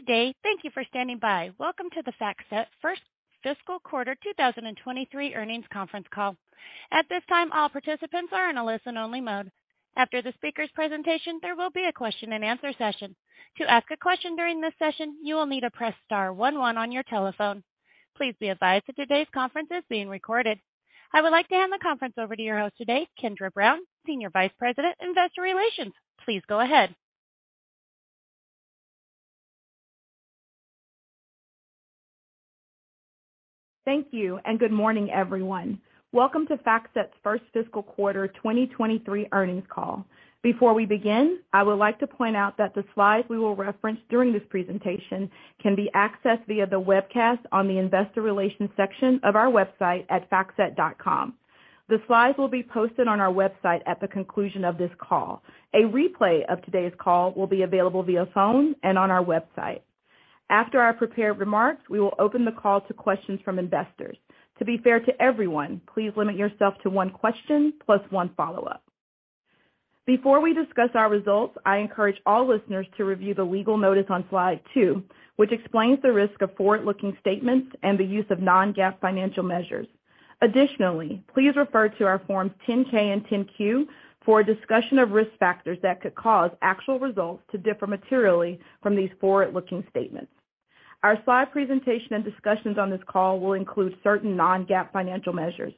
Good day. Thank you for standing by. Welcome to the FactSet First Fiscal Quarter 2023 Earnings Conference Call. At this time, all participants are in a listen-only mode. After the speaker's presentation, there will be a question-and-answer session. To ask a question during this session, you will need to press star one one on your telephone. Please be advised that today's conference is being recorded. I would like to hand the conference over to your host today, Kendra Brown, Senior Vice President, Investor Relations. Please go ahead. Thank you. Good morning, everyone. Welcome to FactSet's First Fiscal Quarter 2023 Earnings Call. Before we begin, I would like to point out that the slides we will reference during this presentation can be accessed via the webcast on the investor relations section of our website at factset.com. The slides will be posted on our website at the conclusion of this call. A replay of today's call will be available via phone and on our website. After our prepared remarks, we will open the call to questions from investors. To be fair to everyone, please limit yourself to one question plus one follow-up. Before we discuss our results, I encourage all listeners to review the legal notice on slide two, which explains the risk of forward-looking statements and the use of non-GAAP financial measures. Additionally, please refer to our forms 10-K and 10-Q for a discussion of risk factors that could cause actual results to differ materially from these forward-looking statements. Our slide presentation and discussions on this call will include certain non-GAAP financial measures.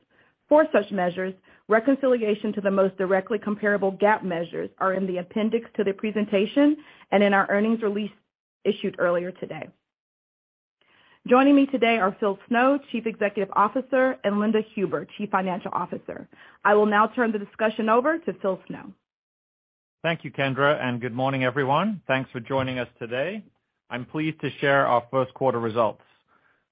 For such measures, reconciliation to the most directly comparable GAAP measures are in the appendix to the presentation and in our earnings release issued earlier today. Joining me today are Phil Snow, Chief Executive Officer, and Linda Huber, Chief Financial Officer. I will now turn the discussion over to Phil Snow. Thank you, Kendra. Good morning, everyone. Thanks for joining us today. I'm pleased to share our first quarter results.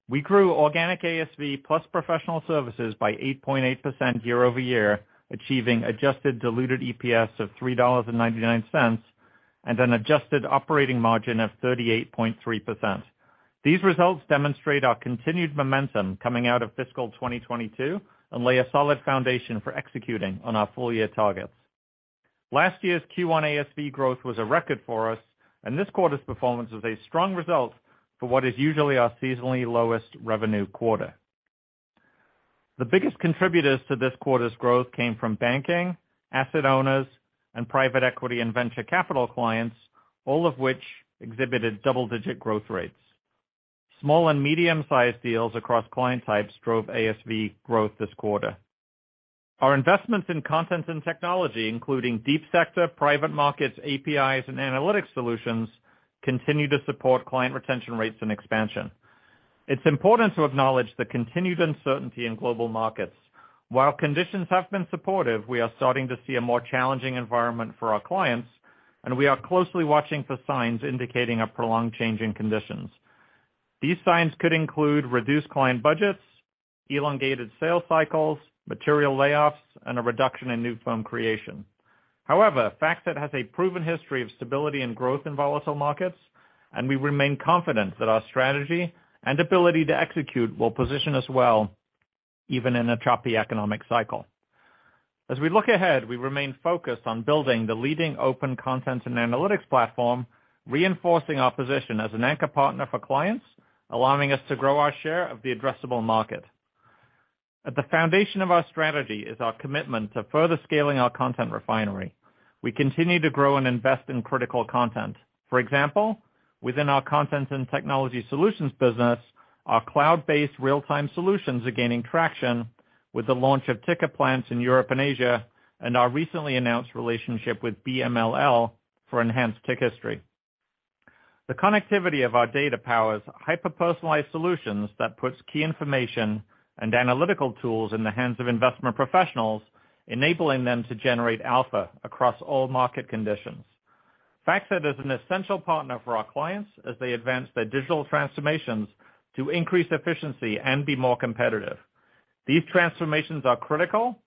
We grew organic ASV plus professional services by 8.8% year-over-year, achieving adjusted diluted EPS of $3.99 and an adjusted operating margin of 38.3%. These results demonstrate our continued momentum coming out of fiscal 2022 and lay a solid foundation for executing on our full-year targets. Last year's Q1 ASV growth was a record for us, and this quarter's performance was a strong result for what is usually our seasonally lowest revenue quarter. The biggest contributors to this quarter's growth came from banking, asset owners, and private equity and venture capital clients, all of which exhibited double-digit growth rates. Small and medium-sized deals across client types drove ASV growth this quarter. Our investments in content and technology, including deep sector, private markets, APIs, and analytics solutions, continue to support client retention rates and expansion. It's important to acknowledge the continued uncertainty in global markets. While conditions have been supportive, we are starting to see a more challenging environment for our clients, and we are closely watching for signs indicating a prolonged change in conditions. These signs could include reduced client budgets, elongated sales cycles, material layoffs, and a reduction in new firm creation. However, FactSet has a proven history of stability and growth in volatile markets, and we remain confident that our strategy and ability to execute will position us well even in a choppy economic cycle. As we look ahead, we remain focused on building the leading open content and analytics platform, reinforcing our position as an anchor partner for clients, allowing us to grow our share of the addressable market. At the foundation of our strategy is our commitment to further scaling our content refinery. We continue to grow and invest in critical content. For example, within our Content and Technology Solutions business, our cloud-based real-time solutions are gaining traction with the launch of ticker plants in Europe and Asia, and our recently announced relationship with BMLL for enhanced tick history. The connectivity of our data powers hyper-personalized solutions that puts key information and analytical tools in the hands of investment professionals, enabling them to generate alpha across all market conditions. FactSet is an essential partner for our clients as they advance their digital transformations to increase efficiency and be more competitive. These transformations are critical.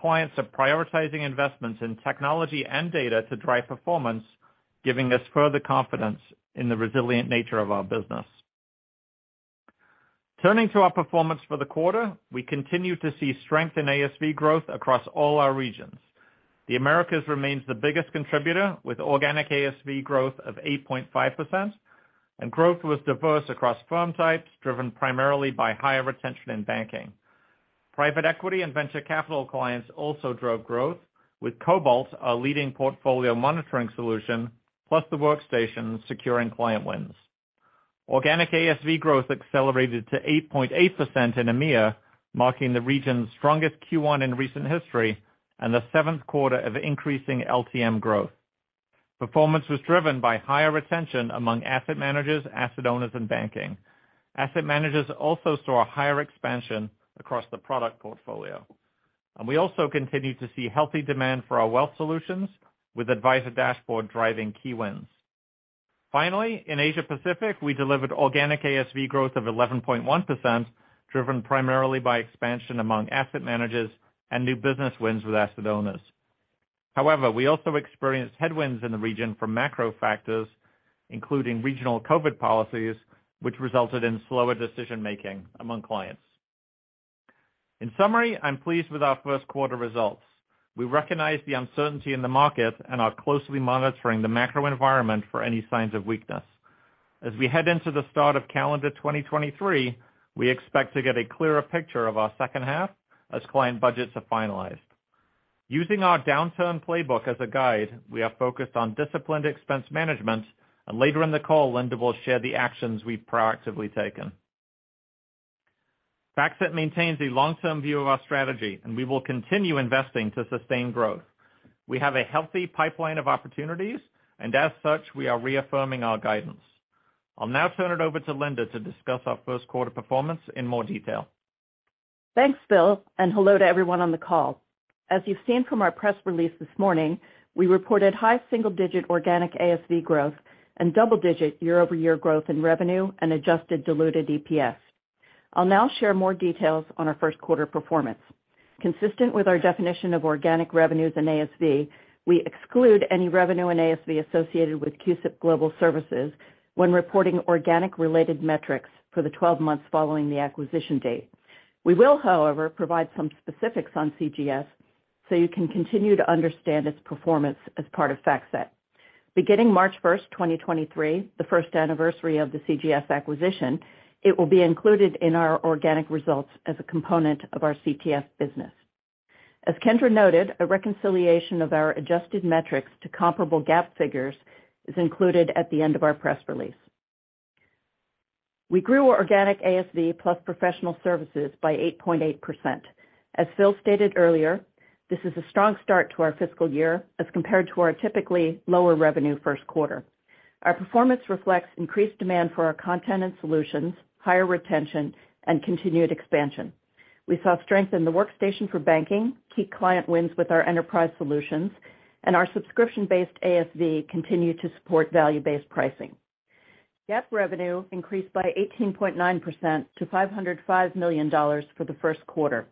Clients are prioritizing investments in technology and data to drive performance, giving us further confidence in the resilient nature of our business. Turning to our performance for the quarter, we continue to see strength in ASV growth across all our regions. The Americas remains the biggest contributor, with organic ASV growth of 8.5%. Growth was diverse across firm types, driven primarily by higher retention in banking. Private equity and venture capital clients also drove growth with Cobalt, our leading portfolio monitoring solution, plus the Workstation securing client wins. Organic ASV growth accelerated to 8.8% in EMEA, marking the region's strongest Q1 in recent history and the seventh quarter of increasing LTM growth. Performance was driven by higher retention among asset managers, asset owners, and banking. Asset managers also saw a higher expansion across the product portfolio. We also continued to see healthy demand for our wealth solutions with Advisor Dashboard driving key wins. Finally, in Asia Pacific, we delivered organic ASV growth of 11.1%, driven primarily by expansion among asset managers and new business wins with asset owners. However, we also experienced headwinds in the region from macro factors, including regional COVID policies, which resulted in slower decision-making among clients. In summary, I'm pleased with our first quarter results. We recognize the uncertainty in the market and are closely monitoring the macro environment for any signs of weakness. As we head into the start of calendar 2023, we expect to get a clearer picture of our second half as client budgets are finalized. Using our downturn playbook as a guide, we are focused on disciplined expense management, and later in the call, Linda will share the actions we've proactively taken. FactSet maintains a long-term view of our strategy, and we will continue investing to sustain growth. We have a healthy pipeline of opportunities, and as such, we are reaffirming our guidance. I'll now turn it over to Linda to discuss our first quarter performance in more detail. Thanks, Phil. Hello to everyone on the call. As you've seen from our press release this morning, we reported high single-digit organic ASV growth and double-digit year-over-year growth in revenue and adjusted diluted EPS. I'll now share more details on our first quarter performance. Consistent with our definition of organic revenues and ASV, we exclude any revenue and ASV associated with CUSIP Global Services when reporting organic-related metrics for the 12 months following the acquisition date. We will, however, provide some specifics on CGS so you can continue to understand its performance as part of FactSet. Beginning March 1st, 2023, the first anniversary of the CGS acquisition, it will be included in our organic results as a component of our CTS business. As Kendra noted, a reconciliation of our adjusted metrics to comparable GAAP figures is included at the end of our press release. We grew organic ASV plus professional services by 8.8%. As Phil stated earlier, this is a strong start to our fiscal year as compared to our typically lower revenue first quarter. Our performance reflects increased demand for our content and solutions, higher retention, and continued expansion. We saw strength in the Workstation for banking, key client wins with our enterprise solutions, and our subscription-based ASV continued to support value-based pricing. GAAP revenue increased by 18.9% to $505 million for the first quarter.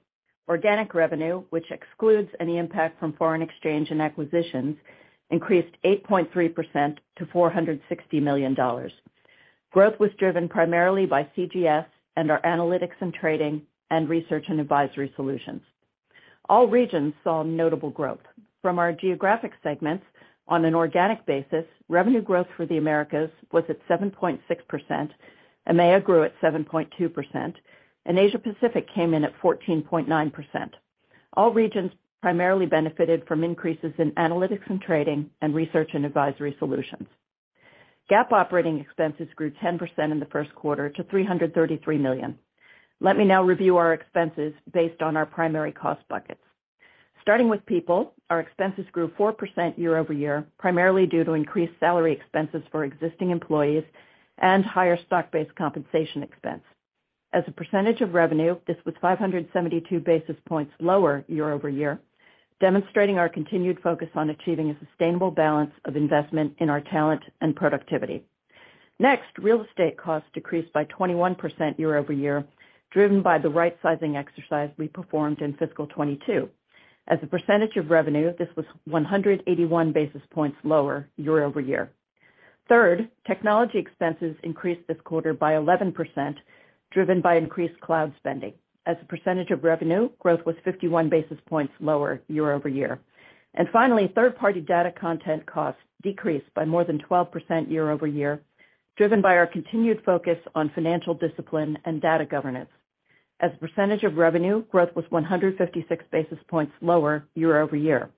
Organic revenue, which excludes any impact from foreign exchange and acquisitions, increased 8.3% to $460 million. Growth was driven primarily by CGS and our analytics and trading and research and advisory solutions. All regions saw notable growth. From our geographic segments, on an organic basis, revenue growth for the Americas was at 7.6%, EMEA grew at 7.2%, and Asia Pacific came in at 14.9%. All regions primarily benefited from increases in analytics and trading and research and advisory solutions. GAAP operating expenses grew 10% in the first quarter to $333 million. Let me now review our expenses based on our primary cost buckets. Starting with people, our expenses grew 4% year-over-year, primarily due to increased salary expenses for existing employees and higher stock-based compensation expense. As a percentage of revenue, this was 572 basis points lower year-over-year, demonstrating our continued focus on achieving a sustainable balance of investment in our talent and productivity. Next, real estate costs decreased by 21% year-over-year, driven by the right-sizing exercise we performed in fiscal 2022. As a percentage of revenue, this was 181 basis points lower year-over-year. Third, technology expenses increased this quarter by 11%, driven by increased cloud spending. As a percentage of revenue, growth was 51 basis points lower year-over-year. Finally, third-party data content costs decreased by more than 12% year-over-year, driven by our continued focus on financial discipline and data governance. As a percentage of revenue, growth was 156 basis points lower year-over-year.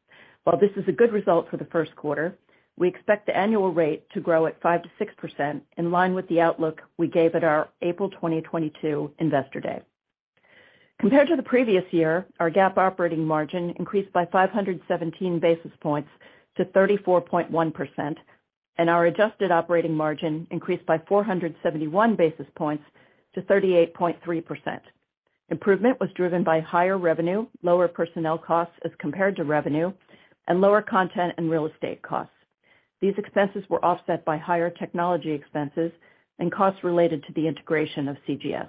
While this is a good result for the first quarter, we expect the annual rate to grow at 5%-6% in line with the outlook we gave at our April 2022 Investor Day. Compared to the previous year, our GAAP operating margin increased by 517 basis points to 34.1%, and our adjusted operating margin increased by 471 basis points to 38.3%. Improvement was driven by higher revenue, lower personnel costs as compared to revenue, and lower content and real estate costs. These expenses were offset by higher technology expenses and costs related to the integration of CGS.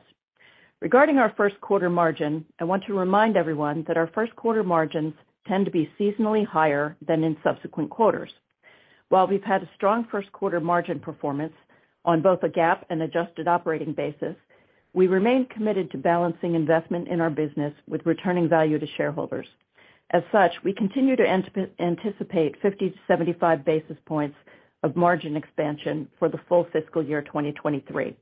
Regarding our first quarter margin, I want to remind everyone that our first quarter margins tend to be seasonally higher than in subsequent quarters. While we've had a strong first quarter margin performance on both a GAAP and adjusted operating basis, we remain committed to balancing investment in our business with returning value to shareholders. As such, we continue to anticipate 50-75 basis points of margin expansion for the full fiscal year 2023.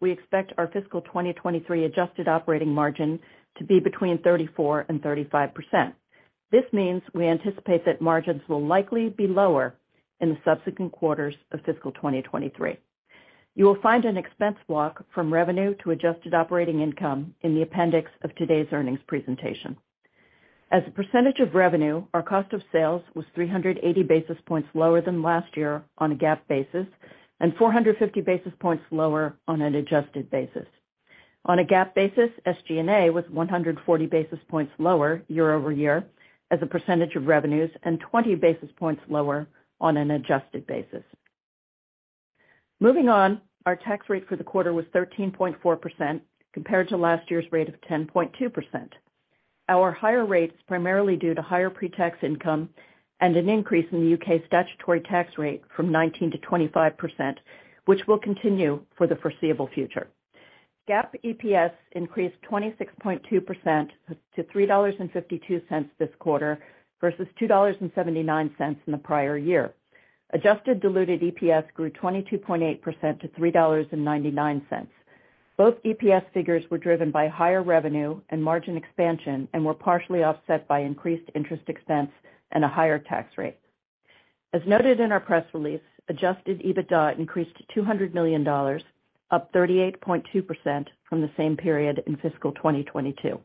We expect our fiscal 2023 adjusted operating margin to be between 34% and 35%. This means we anticipate that margins will likely be lower in the subsequent quarters of fiscal 2023. You will find an expense walk from revenue to adjusted operating income in the appendix of today's earnings presentation. As a percentage of revenue, our cost of sales was 380 basis points lower than last year on a GAAP basis, and 450 basis points lower on an adjusted basis. On a GAAP basis, SG&A was 140 basis points lower year-over-year as a percentage of revenues, and 20 basis points lower on an adjusted basis. Moving on, our tax rate for the quarter was 13.4% compared to last year's rate of 10.2%. Our higher rates primarily due to higher pretax income and an increase in the U.K. statutory tax rate from 19%-25%, which will continue for the foreseeable future. GAAP EPS increased 26.2% to $3.52 this quarter versus $2.79 in the prior year. Adjusted diluted EPS grew 22.8% to $3.99. Both EPS figures were driven by higher revenue and margin expansion and were partially offset by increased interest expense and a higher tax rate. As noted in our press release, adjusted EBITDA increased to $200 million, up 38.2% from the same period in fiscal 2022.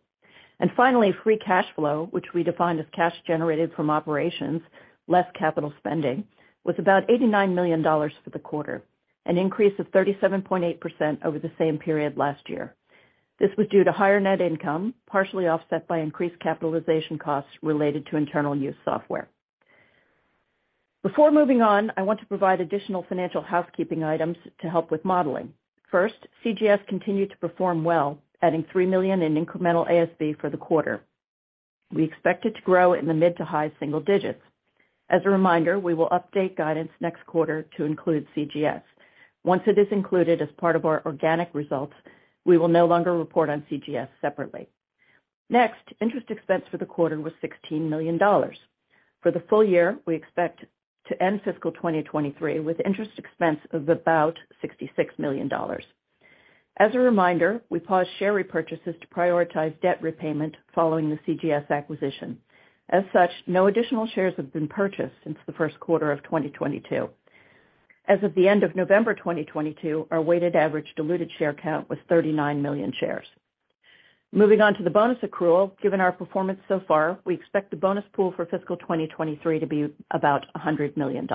Finally, free cash flow, which we define as cash generated from operations less capital spending, was about $89 million for the quarter, an increase of 37.8% over the same period last year. This was due to higher net income, partially offset by increased capitalization costs related to internal use software. Before moving on, I want to provide additional financial housekeeping items to help with modeling. First, CGS continued to perform well, adding $3 million in incremental ASV for the quarter. We expect it to grow in the mid to high single digits. As a reminder, we will update guidance next quarter to include CGS. Once it is included as part of our organic results, we will no longer report on CGS separately. Interest expense for the quarter was $16 million. For the full year, we expect to end fiscal 2023 with interest expense of about $66 million. As a reminder, we paused share repurchases to prioritize debt repayment following the CGS acquisition. As such, no additional shares have been purchased since the first quarter of 2022. As of the end of November 2022, our weighted average diluted share count was 39 million shares. Moving on to the bonus accrual. Given our performance so far, we expect the bonus pool for fiscal 2023 to be about $100 million.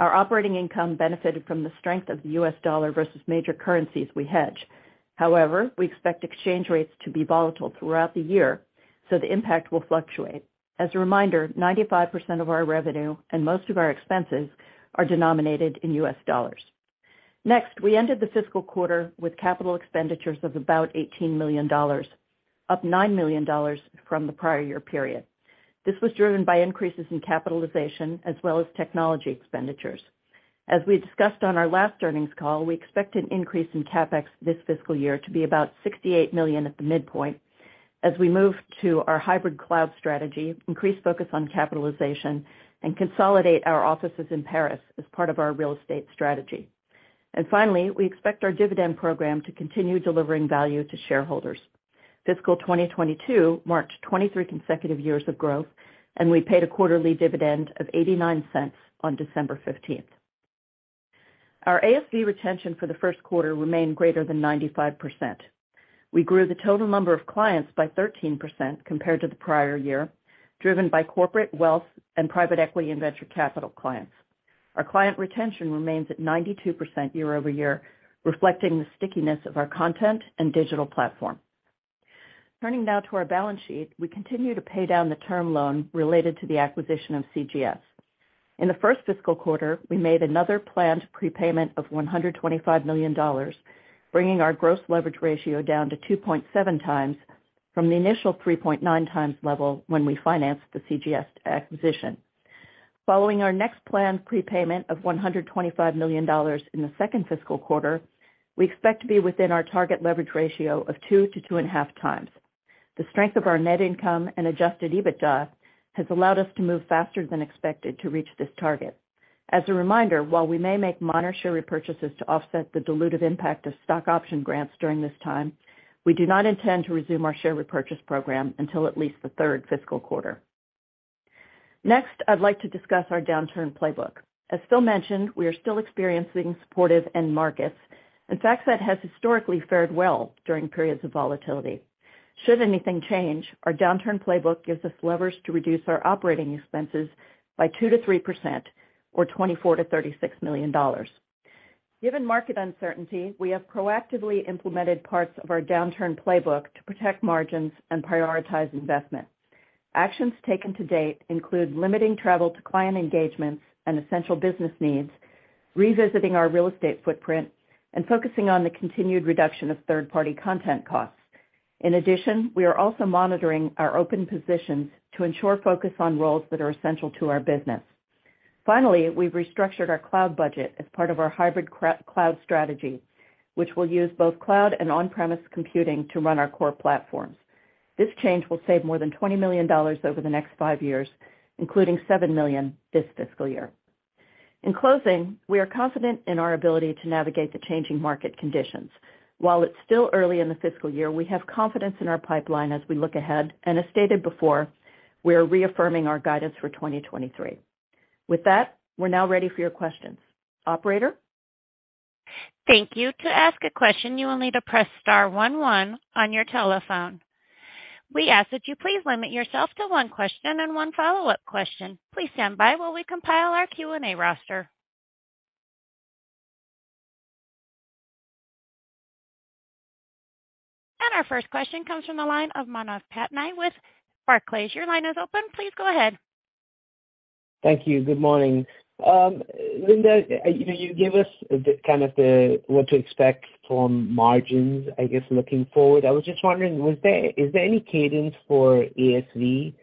Our operating income benefited from the strength of the U.S. Dollar versus major currencies we hedge. However, we expect exchange rates to be volatile throughout the year, so the impact will fluctuate. As a reminder, 95% of our revenue and most of our expenses are denominated in U.S. dollars. Next, we ended the fiscal quarter with capital expenditures of about $18 million, up $9 million from the prior year period. This was driven by increases in capitalization as well as technology expenditures. As we discussed on our last earnings call, we expect an increase in CapEx this fiscal year to be about $68 million at the midpoint as we move to our hybrid cloud strategy, increase focus on capitalization, and consolidate our offices in Paris as part of our real estate strategy. Finally, we expect our dividend program to continue delivering value to shareholders. Fiscal 2022 marked 23 consecutive years of growth, and we paid a quarterly dividend of $0.89 on December 15th. Our ASV retention for the first quarter remained greater than 95%. We grew the total number of clients by 13% compared to the prior year, driven by corporate, wealth, and private equity and venture capital clients. Our client retention remains at 92% year-over-year, reflecting the stickiness of our content and digital platform. Turning now to our balance sheet. We continue to pay down the term loan related to the acquisition of CGS. In the first fiscal quarter, we made another planned prepayment of $125 million, bringing our gross leverage ratio down to 2.7x from the initial 3.9x level when we financed the CGS acquisition. Following our next planned prepayment of $125 million in the second fiscal quarter, we expect to be within our target leverage ratio of 2x-2.5x. The strength of our net income and adjusted EBITDA has allowed us to move faster than expected to reach this target. As a reminder, while we may make minor share repurchases to offset the dilutive impact of stock option grants during this time, we do not intend to resume our share repurchase program until at least the third fiscal quarter. I'd like to discuss our downturn playbook. As Phil mentioned, we are still experiencing supportive end markets. FactSet has historically fared well during periods of volatility. Should anything change, our downturn playbook gives us levers to reduce our operating expenses by 2%-3% or $24 million-$36 million. Given market uncertainty, we have proactively implemented parts of our downturn playbook to protect margins and prioritize investments. Actions taken to date include limiting travel to client engagements and essential business needs, revisiting our real estate footprint, and focusing on the continued reduction of third-party content costs. We are also monitoring our open positions to ensure focus on roles that are essential to our business. We've restructured our cloud budget as part of our hybrid cloud strategy, which will use both cloud and on-premise computing to run our core platforms. This change will save more than $20 million over the next five years, including $7 million this fiscal year. In closing, we are confident in our ability to navigate the changing market conditions. While it's still early in the fiscal year, we have confidence in our pipeline as we look ahead. As stated before, we are reaffirming our guidance for 2023. With that, we're now ready for your questions. Operator? Thank you. To ask a question, you will need to press star one one on your telephone. We ask that you please limit yourself to one question and one follow-up question. Please stand by while we compile our Q&A roster. Our first question comes from the line of Manav Patnaik with Barclays. Your line is open. Please go ahead. Thank you. Good morning. Linda, you know, you gave us the kind of the what to expect from margins, I guess, looking forward. I was just wondering, is there any cadence for ASV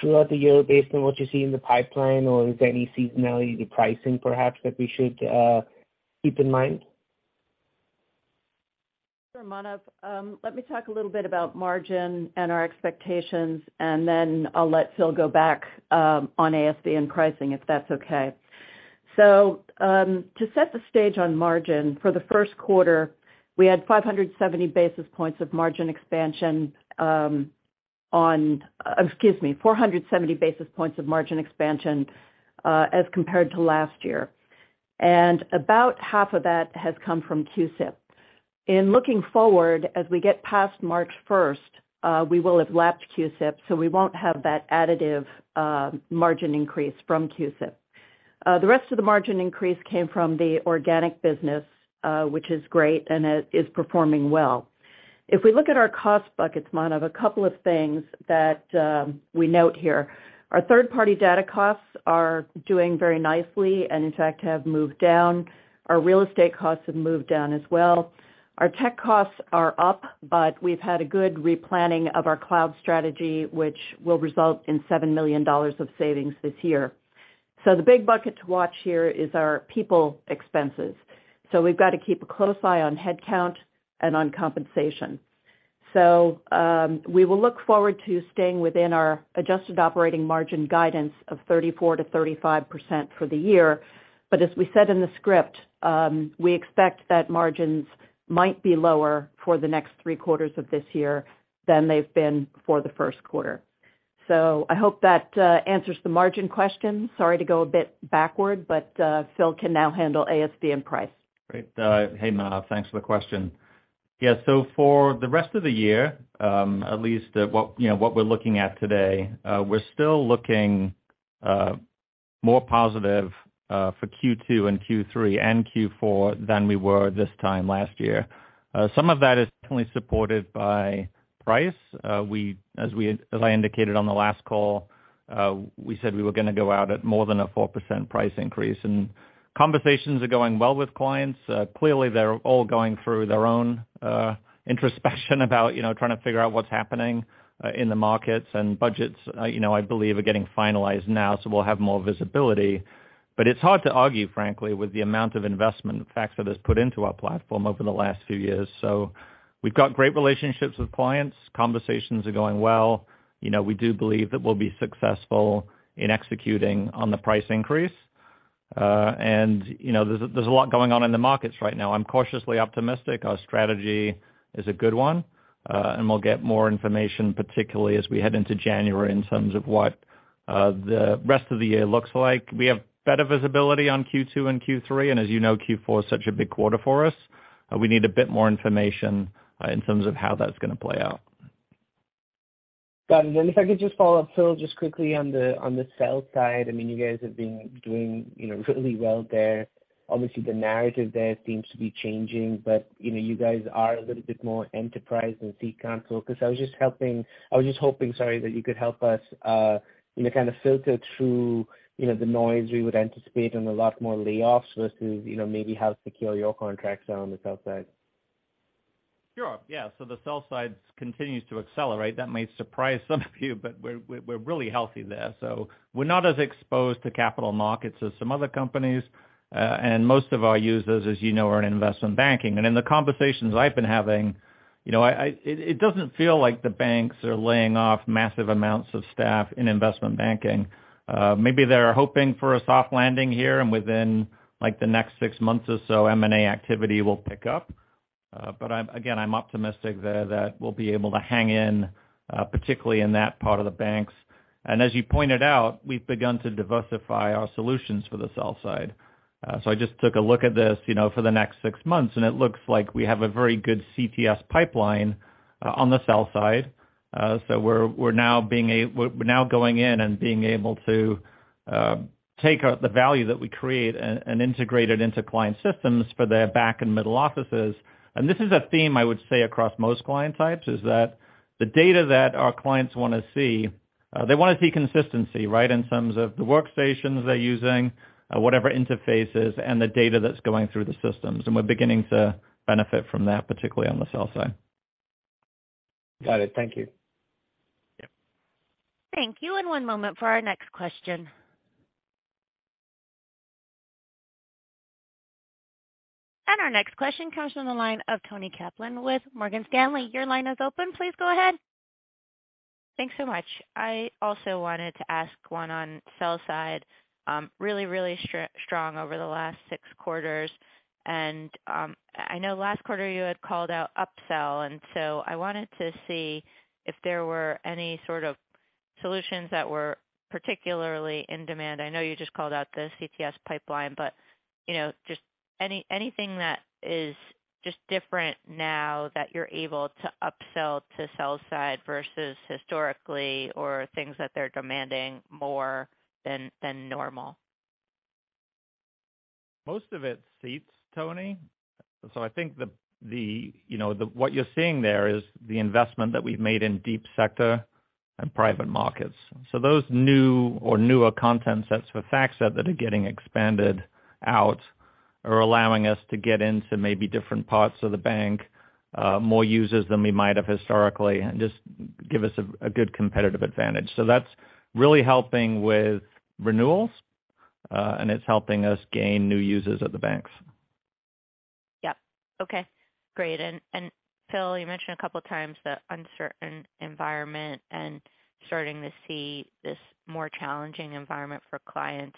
throughout the year based on what you see in the pipeline? Or is there any seasonality to pricing perhaps that we should keep in mind? Sure, Manav. Let me talk a little bit about margin and our expectations, and then I'll let Phil go back on ASV and pricing, if that's okay. To set the stage on margin, for the first quarter, we had 570 basis points of margin expansion. 470 basis points of margin expansion as compared to last year. About half of that has come from CUSIP. In looking forward, as we get past March 1st, we will have lapped CUSIP, so we won't have that additive margin increase from CUSIP. The rest of the margin increase came from the organic business, which is great, and it is performing well. If we look at our cost buckets, Manav, a couple of things that we note here. Our third-party data costs are doing very nicely and in fact have moved down. Our real estate costs have moved down as well. Our tech costs are up, we've had a good replanning of our cloud strategy, which will result in $7 million of savings this year. The big bucket to watch here is our people expenses. We've got to keep a close eye on headcount and on compensation. We will look forward to staying within our adjusted operating margin guidance of 34%-35% for the year. As we said in the script, we expect that margins might be lower for the next three quarters of this year than they've been for the first quarter. I hope that answers the margin question. Sorry to go a bit backward, Phil can now handle ASV and price. Great. Hey, Manav. Thanks for the question. Yeah. So for the rest of the year, at least, what, you know, we're looking at today, we're still looking more positive for Q2 and Q3 and Q4 than we were this time last year. Some of that is certainly supported by price. We, as I indicated on the last call, we said we were gonna go out at more than a 4% price increase. Conversations are going well with clients. Clearly, they're all going through their own introspection about, you know, trying to figure out what's happening in the markets and budgets, you know, I believe are getting finalized now, so we'll have more visibility. It's hard to argue, frankly, with the amount of investment FactSet has put into our platform over the last few years. We've got great relationships with clients. Conversations are going well. You know, we do believe that we'll be successful in executing on the price increase. You know, there's a lot going on in the markets right now. I'm cautiously optimistic our strategy is a good one. We'll get more information, particularly as we head into January, in terms of what the rest of the year looks like. We have better visibility on Q2 and Q3, and as you know, Q4 is such a big quarter for us. We need a bit more information in terms of how that's gonna play out. Got it. If I could just follow up, Phil, just quickly on the sell side. I mean, you guys have been doing, you know, really well there. Obviously, the narrative there seems to be changing, but, you know, you guys are a little bit more enterprise than the console, because I was just hoping, sorry, that you could help us, you know, kind of filter through, you know, the noise we would anticipate and a lot more layoffs versus, you know, maybe how secure your contracts are on the sell side. Sure. Yeah. The sell side continues to accelerate. That may surprise some of you, but we're really healthy there. We're not as exposed to capital markets as some other companies. Most of our users, as you know, are in investment banking. In the conversations I've been having, you know, it doesn't feel like the banks are laying off massive amounts of staff in investment banking. Maybe they're hoping for a soft landing here, and within, like, the next six months or so, M&A activity will pick up. I'm, again, I'm optimistic there that we'll be able to hang in, particularly in that part of the banks. As you pointed out, we've begun to diversify our solutions for the sell side. I just took a look at this, you know, for the next six months, and it looks like we have a very good CTS pipeline on the sell side. We're now going in and being able to take the value that we create and integrate it into client systems for their back and middle offices. This is a theme I would say across most client types, is that the data that our clients wanna see, they wanna see consistency, right? In terms of the workstations they're using, whatever interfaces and the data that's going through the systems. We're beginning to benefit from that, particularly on the sell side. Got it. Thank you. Yeah. Thank you. One moment for our next question. Our next question comes from the line of Toni Kaplan with Morgan Stanley. Your line is open. Please go ahead. Thanks so much. I also wanted to ask one on sell side, really, really strong over the last six quarters. I know last quarter you had called out upsell, and so I wanted to see if there were any sort of solutions that were particularly in demand. I know you just called out the CTS pipeline, but, you know, just anything that is just different now that you're able to upsell to sell side versus historically or things that they're demanding more than normal? Most of it seats Toni. I think, you know, what you're seeing there is the investment that we've made in deep sector and private markets. Those new or newer content sets for FactSet that are getting expanded out are allowing us to get into maybe different parts of the bank, more users than we might have historically, and just give us a good competitive advantage. That's really helping with renewals, and it's helping us gain new users at the banks. Yep. Okay, great. Phil, you mentioned a couple of times the uncertain environment and starting to see this more challenging environment for clients.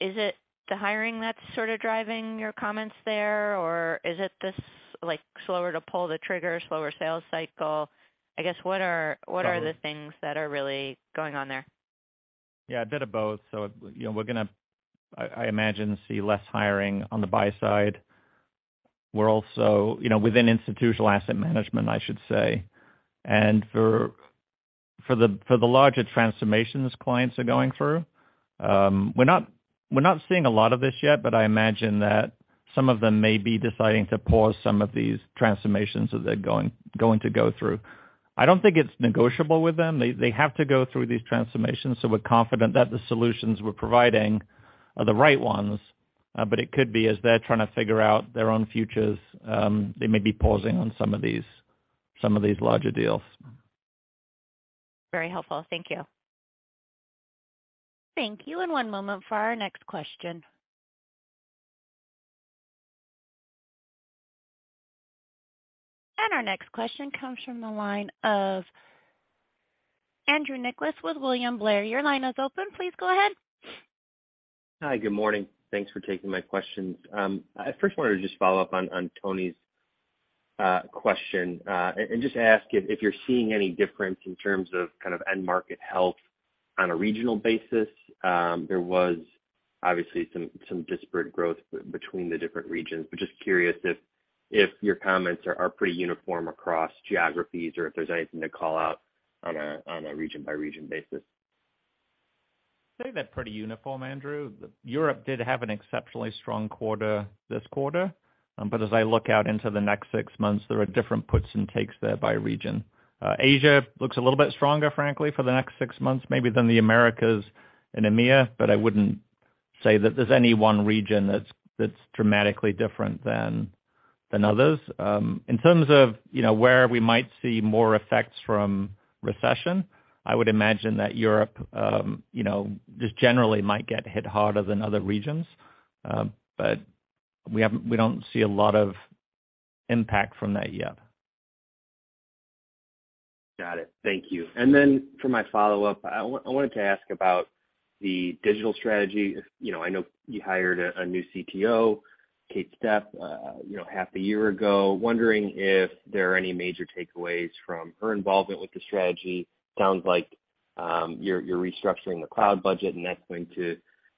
Is it the hiring that's sort of driving your comments there, or is it this like slower to pull the trigger, slower sales cycle? I guess, what are the things that are really going on there? Yeah, a bit of both. You know, we're gonna I imagine see less hiring on the buy side. We're also, you know, within institutional asset management, I should say, and for the larger transformations clients are going through, we're not seeing a lot of this yet, but I imagine that some of them may be deciding to pause some of these transformations that they're going to go through. I don't think it's negotiable with them. They have to go through these transformations. We're confident that the solutions we're providing are the right ones. It could be as they're trying to figure out their own futures, they may be pausing on some of these larger deals. Very helpful. Thank you. Thank you. One moment for our next question. Our next question comes from the line of Andrew Nicholas with William Blair. Your line is open. Please go ahead. Hi, good morning. Thanks for taking my questions. I first wanted to just follow up on Toni's question and just ask if you're seeing any difference in terms of kind of end market health on a regional basis. There was obviously some disparate growth between the different regions, but just curious if your comments are pretty uniform across geographies or if there's anything to call out on a region by region basis. Say they're pretty uniform, Andrew. Europe did have an exceptionally strong quarter this quarter. As I look out into the next six months, there are different puts and takes there by region. Asia looks a little bit stronger, frankly, for the next six months, maybe than the Americas and EMEA. I wouldn't say that there's any one region that's dramatically different than others. In terms of, you know, where we might see more effects from recession, I would imagine that Europe, you know, just generally might get hit harder than other regions. We haven't, we don't see a lot of impact from that yet. Got it. Thank you. For my follow-up, I wanted to ask about the digital strategy. You know, I know you hired a new CTO, Kate Stepp, you know, half a year ago. Wondering if there are any major takeaways from her involvement with the strategy. Sounds like you're restructuring the cloud budget, and that's going to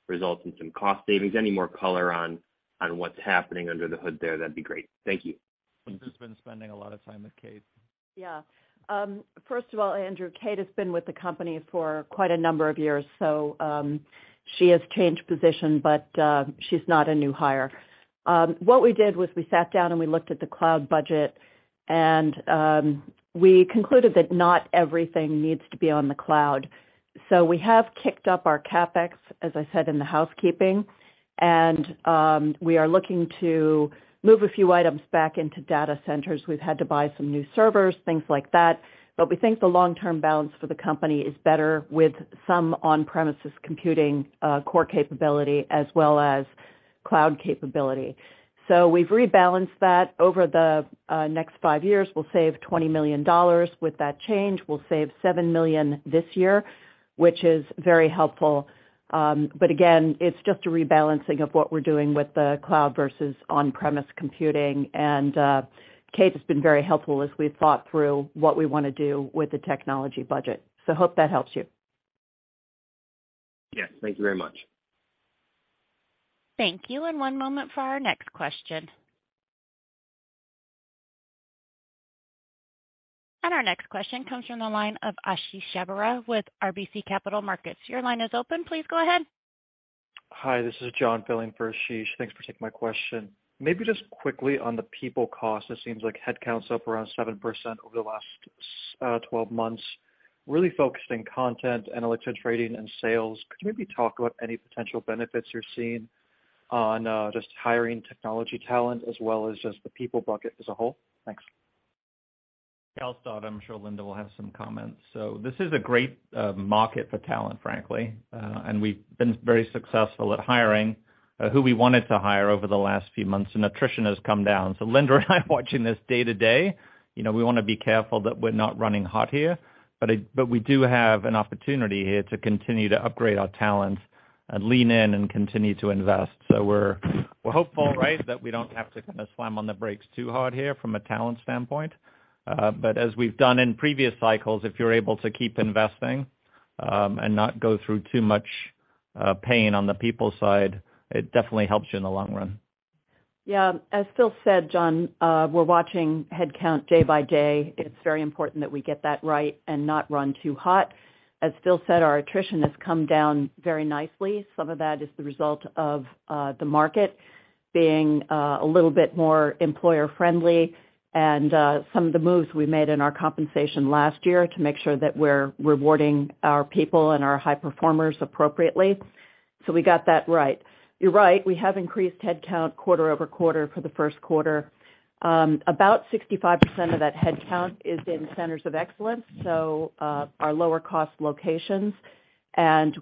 result in some cost savings. Any more color on what's happening under the hood there, that'd be great. Thank you. Linda's been spending a lot of time with Kate. Yeah. First of all, Andrew, Kate has been with the company for quite a number of years. She has changed position, she's not a new hire. What we did was we sat down, we looked at the cloud budget, we concluded that not everything needs to be on the cloud. We have kicked up our CapEx, as I said, in the housekeeping, we are looking to move a few items back into data centers. We've had to buy some new servers, things like that. We think the long-term balance for the company is better with some on-premises computing, core capability as well as cloud capability. We've rebalanced that. Over the next five years, we'll save $20 million with that change. We'll save $7 million this year, which is very helpful. Again, it's just a rebalancing of what we're doing with the cloud versus on-premise computing. Kate has been very helpful as we've thought through what we wanna do with the technology budget. Hope that helps you. Yes. Thank you very much. Thank you. One moment for our next question. Our next question comes from the line of Ashish Sabadra with RBC Capital Markets. Your line is open. Please go ahead. Hi, this is John filling for Ashish. Thanks for taking my question. Maybe just quickly on the people cost, it seems like headcount's up around 7% over the last 12 months, really focused in content, intellectual trading and sales. Could you maybe talk about any potential benefits you're seeing on just hiring technology talent as well as just the people bucket as a whole? Thanks. I'll start. I'm sure Linda will have some comments. This is a great market for talent, frankly. We've been very successful at hiring who we wanted to hire over the last few months, and attrition has come down. Linda and I are watching this day to day. You know, we wanna be careful that we're not running hot here, but we do have an opportunity here to continue to upgrade our talent and lean in and continue to invest. We're, we're hopeful, right, that we don't have to kind of slam on the brakes too hard here from a talent standpoint. As we've done in previous cycles, if you're able to keep investing, and not go through too much pain on the people side, it definitely helps you in the long run. As Phil said, John, we're watching headcount day by day. It's very important that we get that right and not run too hot. As Phil said, our attrition has come down very nicely. Some of that is the result of the market being a little bit more employer-friendly and some of the moves we made in our compensation last year to make sure that we're rewarding our people and our high performers appropriately. We got that right. You're right, we have increased headcount quarter-over-quarter for the first quarter. About 65% of that headcount is in centers of excellence, so our lower cost locations.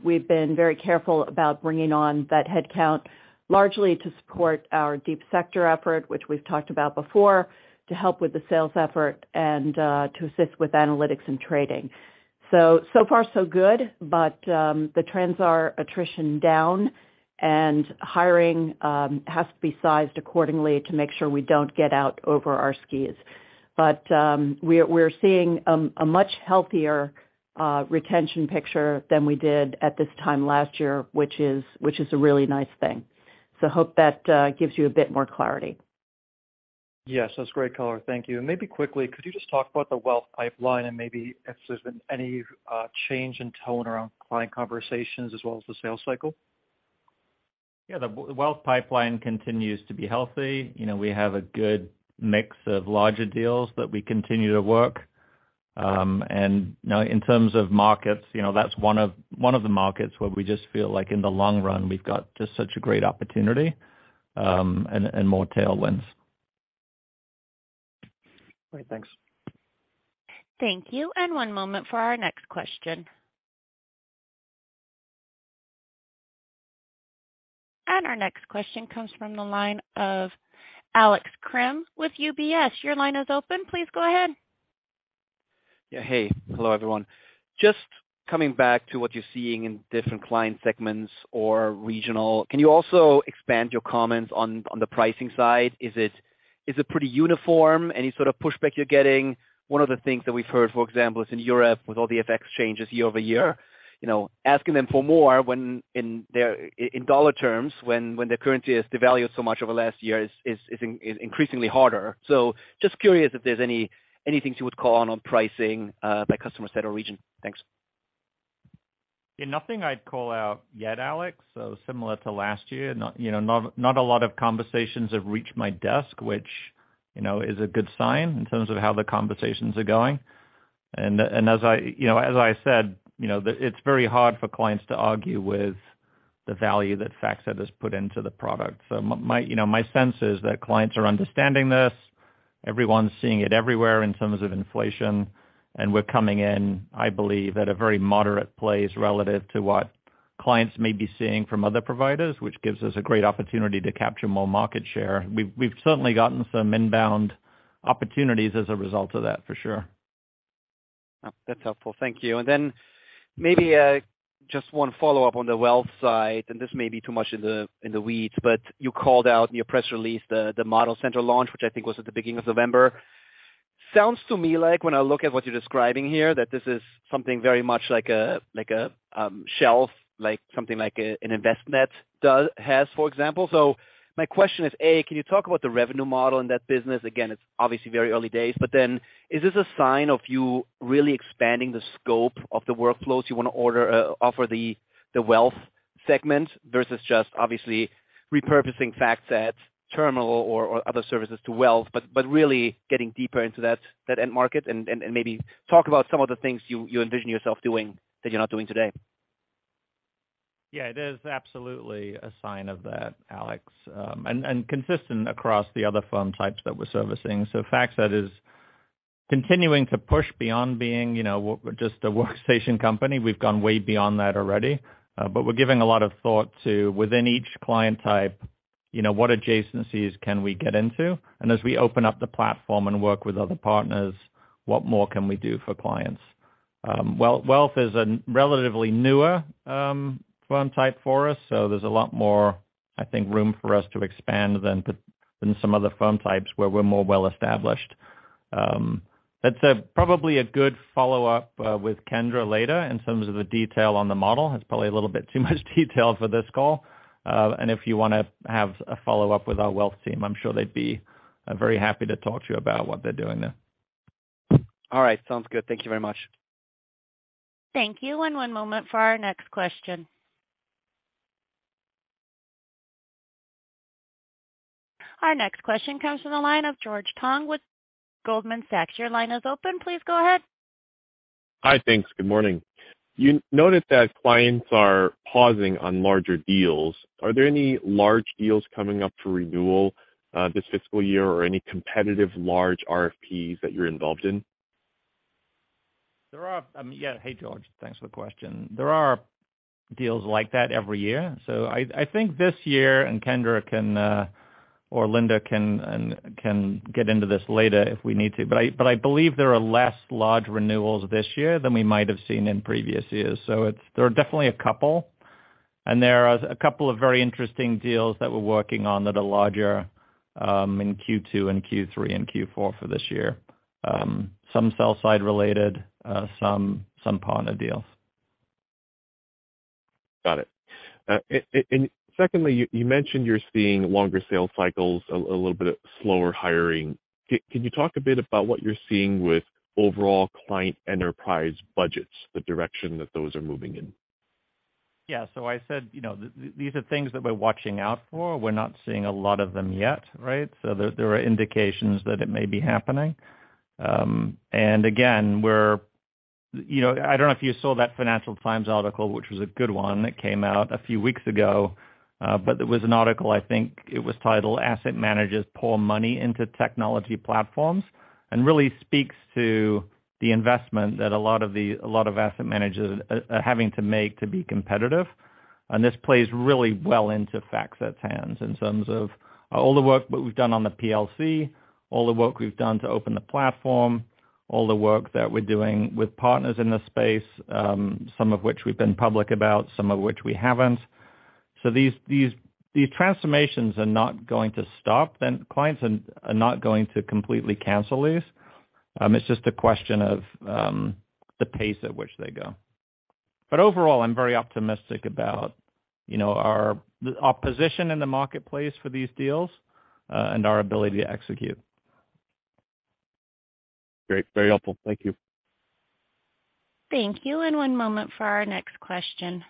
We've been very careful about bringing on that headcount, largely to support our deep sector effort, which we've talked about before, to help with the sales effort and to assist with analytics and trading. So far so good, but the trends are attrition down and hiring has to be sized accordingly to make sure we don't get out over our skis. We're seeing a much healthier retention picture than we did at this time last year, which is a really nice thing. Hope that gives you a bit more clarity. Yes, that's great color. Thank you. Maybe quickly, could you just talk about the wealth pipeline and maybe if there's been any change in tone around client conversations as well as the sales cycle? Yeah. The wealth pipeline continues to be healthy. You know, we have a good mix of larger deals that we continue to work. You know, in terms of markets, you know, that's one of the markets where we just feel like in the long run, we've got just such a great opportunity, and more tailwinds. Great. Thanks. Thank you. One moment for our next question. Our next question comes from the line of Alex Kramm with UBS. Your line is open. Please go ahead. Yeah. Hey. Hello, everyone. Just coming back to what you're seeing in different client segments or regional, can you also expand your comments on the pricing side? Is it pretty uniform? Any sort of pushback you're getting? One of the things that we've heard, for example, is in Europe with all the FX changes year-over-year, you know, asking them for more when in dollar terms, when their currency has devalued so much over the last year is increasingly harder. Just curious if there's any, anything you would call on pricing by customer set or region. Thanks. Yeah, nothing I'd call out yet, Alex. Similar to last year, not, you know, not a lot of conversations have reached my desk, which you know, is a good sign in terms of how the conversations are going. As I, you know, as I said, you know, it's very hard for clients to argue with the value that FactSet has put into the product. My, you know, my sense is that clients are understanding this. Everyone's seeing it everywhere in terms of inflation. We're coming in, I believe, at a very moderate place relative to what clients may be seeing from other providers, which gives us a great opportunity to capture more market share. We've certainly gotten some inbound opportunities as a result of that, for sure. That's helpful. Thank you. Maybe, just one follow-up on the wealth side, and this may be too much in the, in the weeds, but you called out in your press release the Model Center launch, which I think was at the beginning of November. Sounds to me like when I look at what you're describing here, that this is something very much like a, like a, shelf, like something like an Envestnet has, for example. My question is, A, can you talk about the revenue model in that business? Again, it's obviously very early days. Is this a sign of you really expanding the scope of the workflows you wanna offer the wealth segment versus just obviously repurposing FactSet terminal or other services to wealth, but really getting deeper into that end market? Maybe talk about some of the things you envision yourself doing that you're not doing today. Yeah, it is absolutely a sign of that, Alex, and consistent across the other firm types that we're servicing. FactSet is continuing to push beyond being just a Workstation company. We've gone way beyond that already. We're giving a lot of thought to within each client type, you know, what adjacencies can we get into? As we open up the platform and work with other partners, what more can we do for clients? Wealth is a relatively newer firm type for us. There's a lot more, I think, room for us to expand than some other firm types where we're more well established. That's a probably a good follow-up with Kendra later in terms of the detail on the model. It's probably a little bit too much detail for this call. If you wanna have a follow-up with our wealth team, I'm sure they'd be very happy to talk to you about what they're doing there. All right. Sounds good. Thank you very much. Thank you. One moment for our next question. Our next question comes from the line of George Tong with Goldman Sachs. Your line is open. Please go ahead. Hi. Thanks. Good morning. You noted that clients are pausing on larger deals. Are there any large deals coming up for renewal this fiscal year or any competitive large RFPs that you're involved in? There are. Yeah. Hey, George. Thanks for the question. There are deals like that every year. I think this year, and Kendra or Linda can get into this later if we need to, but I believe there are less large renewals this year than we might have seen in previous years. There are definitely a couple, and there are a couple of very interesting deals that we're working on that are larger in Q2 and Q3 and Q4 for this year. Some sell side related, some partner deals. Got it. Secondly, you mentioned you're seeing longer sales cycles, a little bit slower hiring. Can you talk a bit about what you're seeing with overall client enterprise budgets, the direction that those are moving in? Yeah. I said, you know, these are things that we're watching out for. We're not seeing a lot of them yet, right? There, there are indications that it may be happening. And again, we're You know, I don't know if you saw that Financial Times article, which was a good one, that came out a few weeks ago. But it was an article, I think it was titled Asset Managers Pour Money into Technology Platforms, and really speaks to the investment that a lot of the, a lot of asset managers are having to make to be competitive. This plays really well into FactSet's hands in terms of all the work we've done on the PLC, all the work we've done to open the platform, all the work that we're doing with partners in the space, some of which we've been public about, some of which we haven't. These transformations are not going to stop, and clients are not going to completely cancel these. It's just a question of the pace at which they go. Overall, I'm very optimistic about, you know, our position in the marketplace for these deals, and our ability to execute. Great. Very helpful. Thank you. Thank you. One moment for our next question.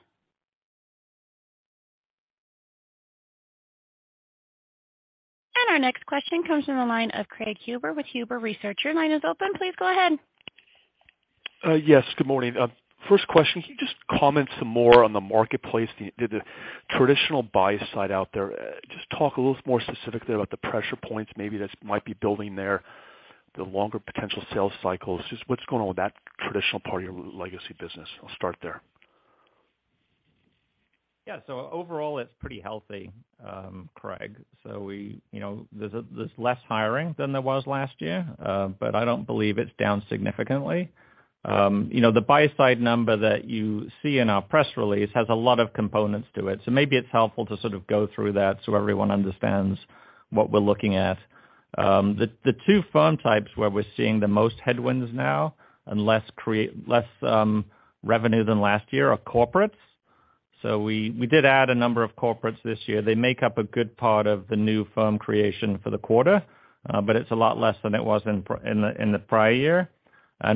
Our next question comes from the line of Craig Huber with Huber Research. Your line is open. Please go ahead. Yes, good morning. First question, can you just comment some more on the marketplace, the traditional buy side out there? Just talk a little more specifically about the pressure points maybe that might be building there, the longer potential sales cycles. Just what's going on with that traditional part of your legacy business? I'll start there. Overall, it's pretty healthy, Craig. We, you know, there's less hiring than there was last year, but I don't believe it's down significantly. You know, the buy side number that you see in our press release has a lot of components to it, maybe it's helpful to sort of go through that so everyone understands what we're looking at. The two firm types where we're seeing the most headwinds now and less revenue than last year are corporates. We did add a number of corporates this year. They make up a good part of the new firm creation for the quarter, but it's a lot less than it was in the prior year.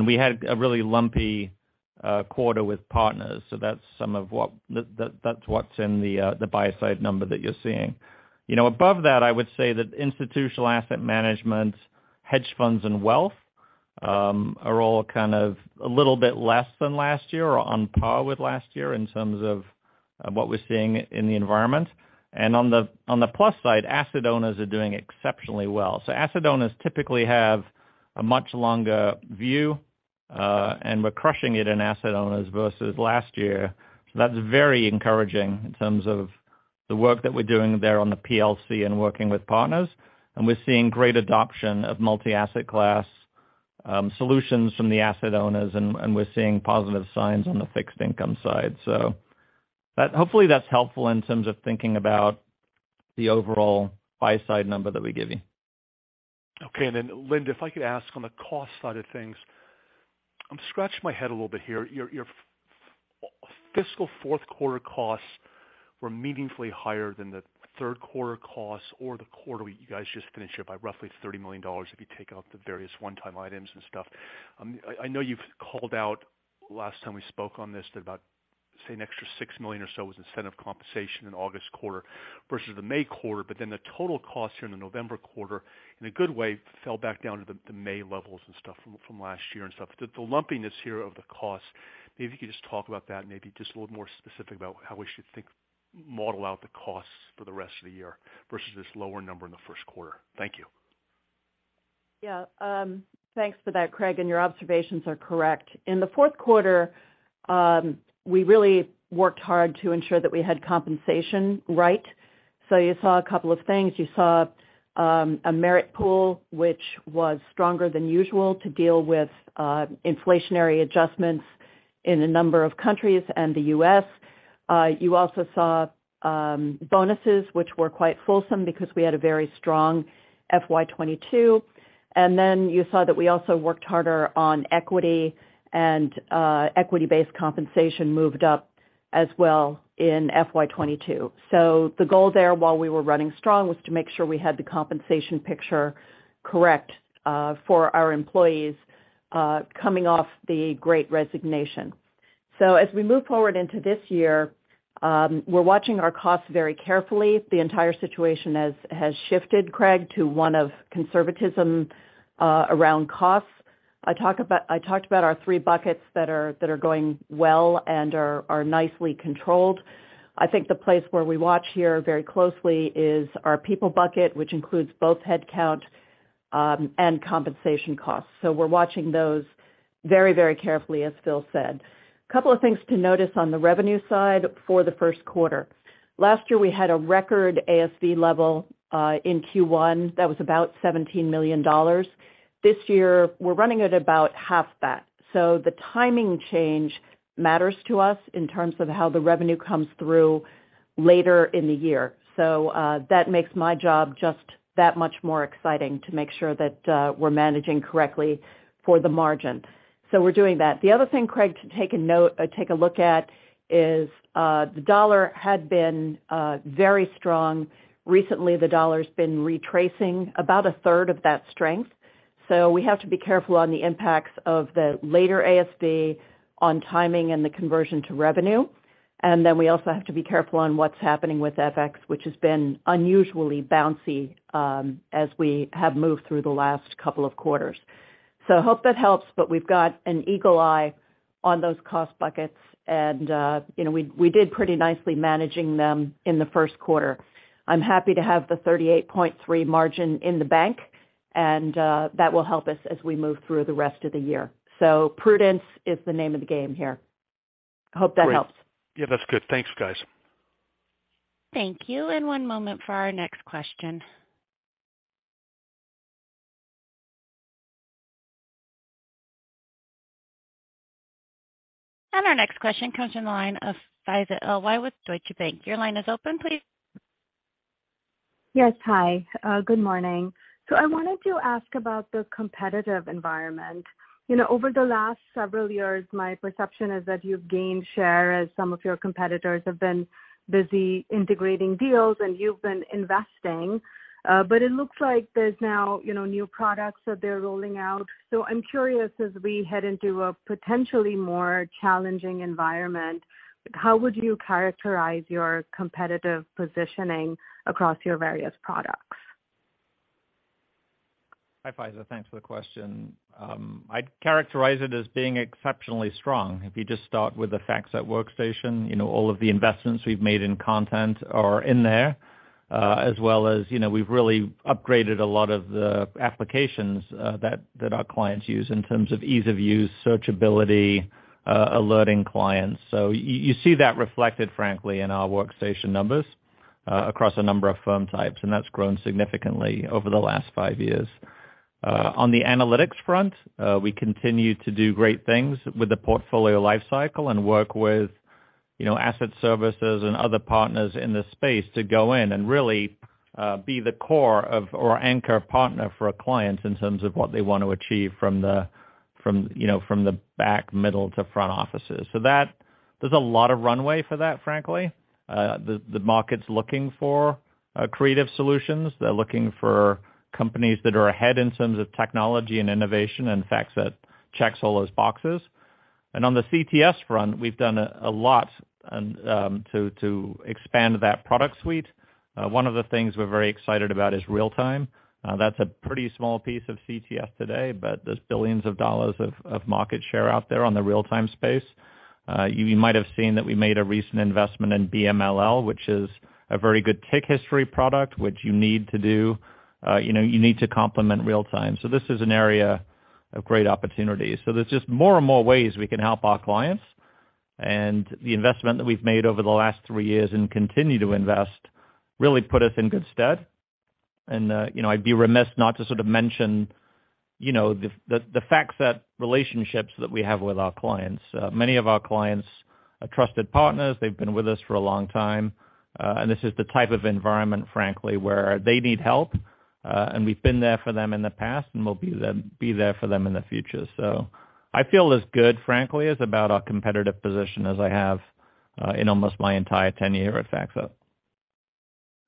We had a really lumpy quarter with partners. That's some of what that's what's in the buy side number that you're seeing. You know, above that, I would say that institutional asset management, hedge funds and wealth are all kind of a little bit less than last year or on par with last year in terms of what we're seeing in the environment. On the, on the plus side, asset owners are doing exceptionally well. Asset owners typically have a much longer view, and we're crushing it in asset owners versus last year. That's very encouraging in terms of the work that we're doing there on the PLC and working with partners. We're seeing great adoption of multi-asset class solutions from the asset owners, and we're seeing positive signs on the fixed income side. Hopefully that's helpful in terms of thinking about the overall buy side number that we give you. Linda, if I could ask on the cost side of things. I'm scratching my head a little bit here. Your fiscal fourth quarter costs were meaningfully higher than the third quarter costs or the quarter you guys just finished here by roughly $30 million if you take out the various one-time items and stuff. I know you've called out last time we spoke on this that about, say, an extra $6 million or so was incentive compensation in August quarter versus the May quarter, the total cost here in the November quarter, in a good way, fell back down to the May levels and stuff from last year and stuff. The lumpiness here of the costs, maybe you could just talk about that and maybe just a little more specific about how we should think, model out the costs for the rest of the year versus this lower number in the first quarter? Thank you. Yeah. Thanks for that, Craig. Your observations are correct. In the fourth quarter, we really worked hard to ensure that we had compensation right. You saw a couple of things. You saw a merit pool which was stronger than usual to deal with inflationary adjustments in a number of countries and the U.S. You also saw bonuses which were quite fulsome because we had a very strong FY 2022, and then you saw that we also worked harder on equity and equity-based compensation moved up as well in FY 2022. The goal there, while we were running strong, was to make sure we had the compensation picture correct for our employees coming off the great resignation. As we move forward into this year, we're watching our costs very carefully. The entire situation has shifted, Craig, to one of conservatism around costs. I talked about our three buckets that are going well and are nicely controlled. I think the place where we watch here very closely is our people bucket, which includes both headcount and compensation costs. We're watching those very carefully, as Phil said. Couple of things to notice on the revenue side for the first quarter. Last year, we had a record ASV level in Q1 that was about $17 million. This year, we're running at about half that. The timing change matters to us in terms of how the revenue comes through later in the year. That makes my job just that much more exciting to make sure that we're managing correctly for the margin. We're doing that. The other thing, Craig, to take a look at is the dollar had been very strong. Recently, the dollar's been retracing about a third of that strength. We have to be careful on the impacts of the later ASV on timing and the conversion to revenue. We also have to be careful on what's happening with FX, which has been unusually bouncy, as we have moved through the last couple of quarters. Hope that helps, but we've got an eagle eye on those cost buckets, and you know, we did pretty nicely managing them in the first quarter. I'm happy to have the 38.3% margin in the bank, and that will help us as we move through the rest of the year. Prudence is the name of the game here. Hope that helps. Great. Yeah, that's good. Thanks, guys. Thank you. One moment for our next question. Our next question comes from the line of Faiza Alwy with Deutsche Bank. Your line is open, please. Yes. Hi. Good morning. I wanted to ask about the competitive environment. You know, over the last several years, my perception is that you've gained share as some of your competitors have been busy integrating deals and you've been investing. It looks like there's now, you know, new products that they're rolling out. I'm curious, as we head into a potentially more challenging environment, how would you characterize your competitive positioning across your various products? Hi, Faiza. Thanks for the question. I'd characterize it as being exceptionally strong. If you just start with the FactSet Workstation, you know, all of the investments we've made in content are in there, as well as, you know, we've really upgraded a lot of the applications that our clients use in terms of ease of use, searchability, alerting clients. You see that reflected, frankly, in our Workstation numbers, across a number of firm types, and that's grown significantly over the last five years. On the analytics front, we continue to do great things with the portfolio life cycle and work with, you know, asset services and other partners in the space to go in and really be the core of, or anchor partner for our clients in terms of what they want to achieve from the back middle to front offices. There's a lot of runway for that, frankly. The market's looking for creative solutions. They're looking for companies that are ahead in terms of technology and innovation, FactSet checks all those boxes. On the CTS front, we've done a lot and to expand that product suite. One of the things we're very excited about is real time. That's a pretty small piece of CTS today, but there's billions of dollars of market share out there on the real-time space. You might have seen that we made a recent investment in BMLL, which is a very good tick history product, which you need to do, you know, you need to complement real time. This is an area of great opportunity. There's just more and more ways we can help our clients. The investment that we've made over the last three years and continue to invest really put us in good stead. You know, I'd be remiss not to sort of mention, you know, the FactSet relationships that we have with our clients. Many of our clients are trusted partners. They've been with us for a long time. This is the type of environment, frankly, where they need help. We've been there for them in the past, and we'll be there for them in the future. I feel as good, frankly, as about our competitive position as I have, in almost my entire tenure at FactSet.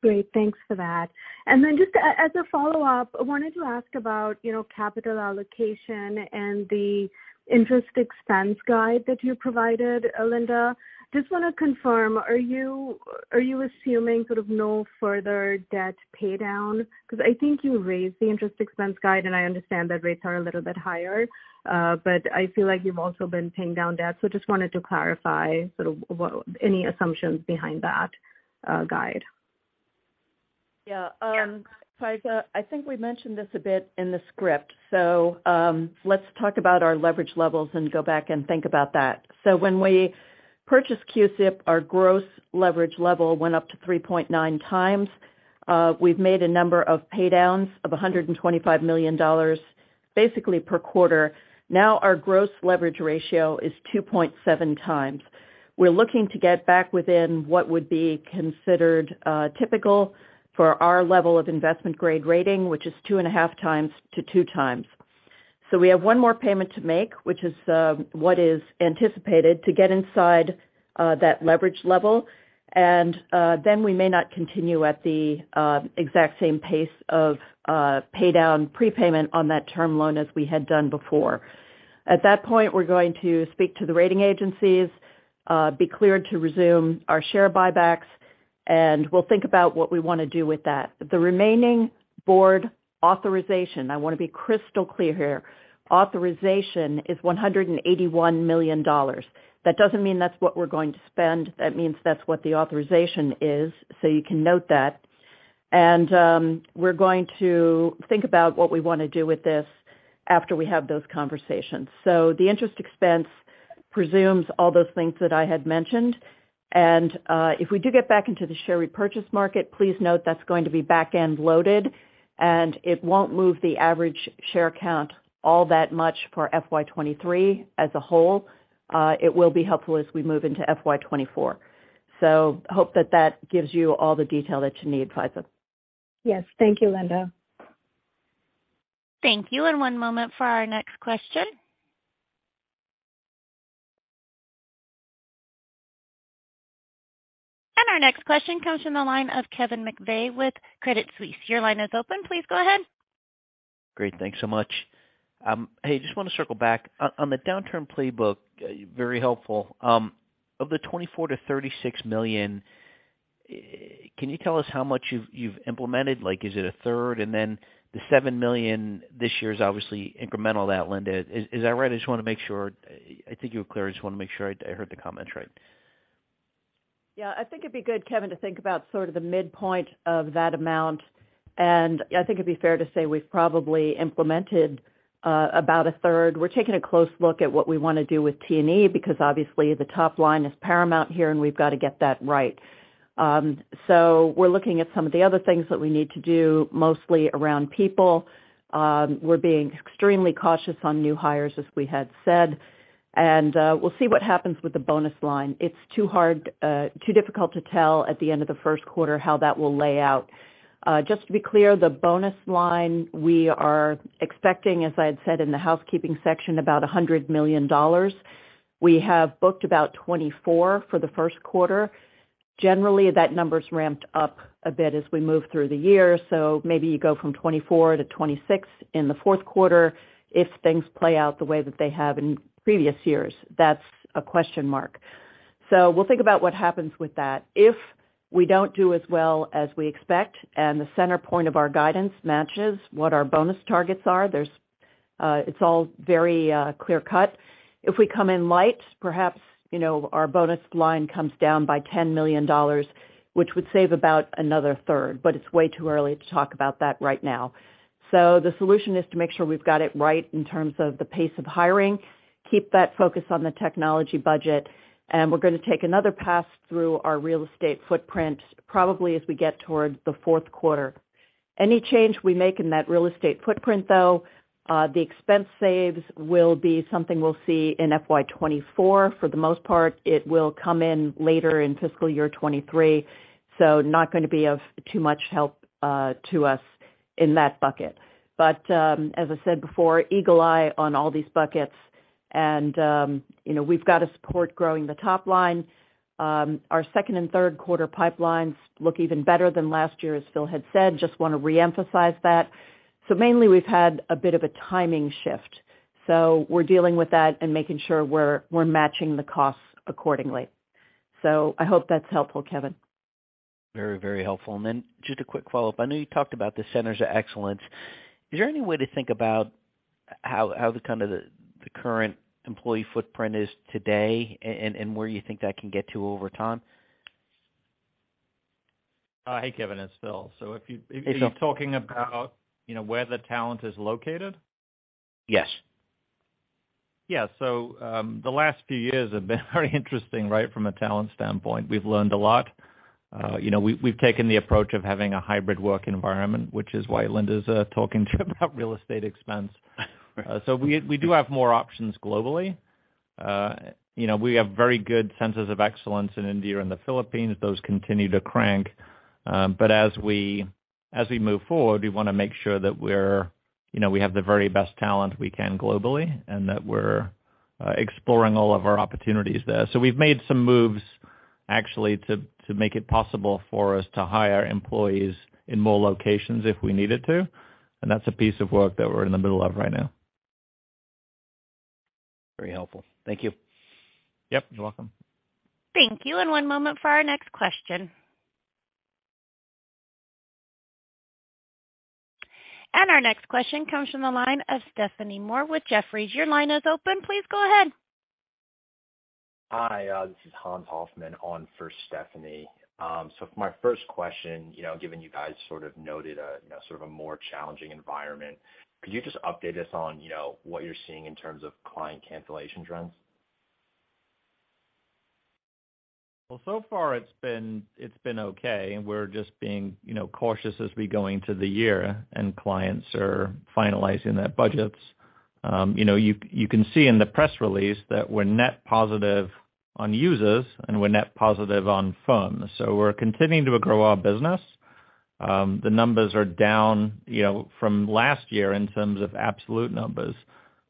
Great. Thanks for that. Then just as a follow-up, I wanted to ask about, you know, capital allocation and the interest expense guide that you provided, Linda. Just wanna confirm, are you assuming sort of no further debt paydown? I think you raised the interest expense guide, and I understand that rates are a little bit higher, but I feel like you've also been paying down debt. Just wanted to clarify sort of what any assumptions behind that guide. Yeah. Yeah. Faiza, I think we mentioned this a bit in the script. Let's talk about our leverage levels and go back and think about that. When we purchased CUSIP, our gross leverage level went up to 3.9x. We've made a number of paydowns of $125 million, basically per quarter. Now our gross leverage ratio is 2.7x. We're looking to get back within what would be considered typical for our level of investment-grade rating, which is 2.5x to 2x. We have one more payment to make, which is what is anticipated to get inside that leverage level. Then we may not continue at the exact same pace of pay down prepayment on that term loan as we had done before. At that point, we're going to speak to the rating agencies, be cleared to resume our share buybacks. We'll think about what we wanna do with that. The remaining board authorization, I wanna be crystal clear here. Authorization is $181 million. That doesn't mean that's what we're going to spend. That means that's what the authorization is. You can note that. We're going to think about what we wanna do with this after we have those conversations. The interest expense presumes all those things that I had mentioned. If we do get back into the share repurchase market, please note that's going to be back-end loaded. It won't move the average share count all that much for FY 2023 as a whole. It will be helpful as we move into FY 2024. Hope that that gives you all the detail that you need, Faiza. Yes. Thank you, Linda. Thank you. One moment for our next question. Our next question comes from the line of Kevin McVeigh with Credit Suisse. Your line is open. Please go ahead. Great. Thanks so much. Hey, just wanna circle back. On the downturn playbook, very helpful. Of the $24 million-$36 million, can you tell us how much you've implemented? Like, is it a 1/3? The $7 million this year is obviously incremental to that, Linda. Is that right? I just wanna make sure. I think you were clear. I just wanna make sure I heard the comments right. I think it'd be good, Kevin, to think about sort of the midpoint of that amount. I think it'd be fair to say we've probably implemented about a 1/3. We're taking a close look at what we wanna do with T&E because, obviously, the top line is paramount here. We've gotta get that right. We're looking at some of the other things that we need to do mostly around people. We're being extremely cautious on new hires, as we had said. We'll see what happens with the bonus line. It's too difficult to tell at the end of the first quarter how that will lay out. Just to be clear, the bonus line we are expecting, as I had said in the housekeeping section, about $100 million. We have booked about $24 million for the first quarter. Generally, that number's ramped up a bit as we move through the year, so maybe you go from $24 million to $26 million in the fourth quarter if things play out the way that they have in previous years. That's a question mark. We'll think about what happens with that. If we don't do as well as we expect, and the center point of our guidance matches what our bonus targets are, it's all very clear-cut. If we come in light, perhaps, you know, our bonus line comes down by $10 million, which would save about another 1/3. It's way too early to talk about that right now. The solution is to make sure we've got it right in terms of the pace of hiring, keep that focus on the technology budget, and we're gonna take another pass through our real estate footprint probably as we get towards the fourth quarter. Any change we make in that real estate footprint, though, the expense saves will be something we'll see in FY 2024. For the most part, it will come in later in fiscal year 2023, so not gonna be of too much help to us in that bucket. As I said before, eagle eye on all these buckets and, you know, we've got to support growing the top line. Our second and third quarter pipelines look even better than last year, as Phil had said. Just wanna reemphasize that. Mainly, we've had a bit of a timing shift, so we're dealing with that and making sure we're matching the costs accordingly. I hope that's helpful, Kevin. Very, very helpful. Just a quick follow-up. I know you talked about the centers of excellence. Is there any way to think about how the kind of the current employee footprint is today and where you think that can get to over time? Hey, Kevin, it's Phil. Hey, Phil. If you're talking about, you know, where the talent is located? Yes. Yeah. The last few years have been very interesting, right, from a talent standpoint. We've learned a lot. you know, we've taken the approach of having a hybrid work environment, which is why Linda's talking to you about real estate expense. Right. We do have more options globally. You know, we have very good centers of excellence in India and the Philippines. Those continue to crank. As we move forward, we wanna make sure that we're, you know, we have the very best talent we can globally and that we're exploring all of our opportunities there. We've made some moves actually to make it possible for us to hire employees in more locations if we needed to, and that's a piece of work that we're in the middle of right now. Very helpful. Thank you. Yep, you're welcome. Thank you. One moment for our next question. Our next question comes from the line of Stephanie Moore with Jefferies. Your line is open. Please go ahead. Hi, this is Hans Hoffman on for Stephanie. For my first question, you know, given you guys sort of noted a, you know, sort of a more challenging environment, could you just update us on, you know, what you're seeing in terms of client cancellation trends? Well, so far it's been okay, we're just being, you know, cautious as we go into the year, clients are finalizing their budgets. You know, you can see in the press release that we're net positive on users, we're net positive on funds. We're continuing to grow our business. The numbers are down, you know, from last year in terms of absolute numbers.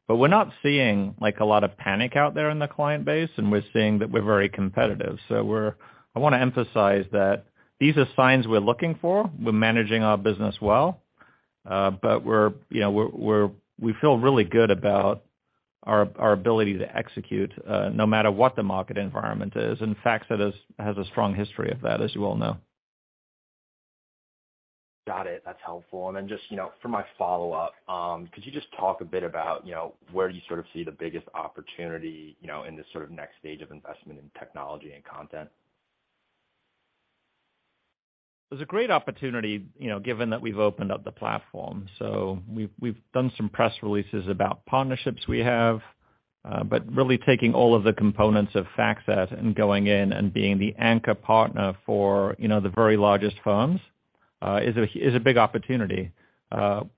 We're not seeing, like, a lot of panic out there in the client base, we're seeing that we're very competitive. I wanna emphasize that these are signs we're looking for. We're managing our business well. We're, you know, we feel really good about our ability to execute, no matter what the market environment is. FactSet has a strong history of that, as you all know. Got it. That's helpful. Then just, you know, for my follow-up, could you just talk a bit about, you know, where you sort of see the biggest opportunity, you know, in this sort of next stage of investment in technology and content? There's a great opportunity, you know, given that we've opened up the platform. We've done some press releases about partnerships we have, but really taking all of the components of FactSet and going in and being the anchor partner for, you know, the very largest firms is a big opportunity.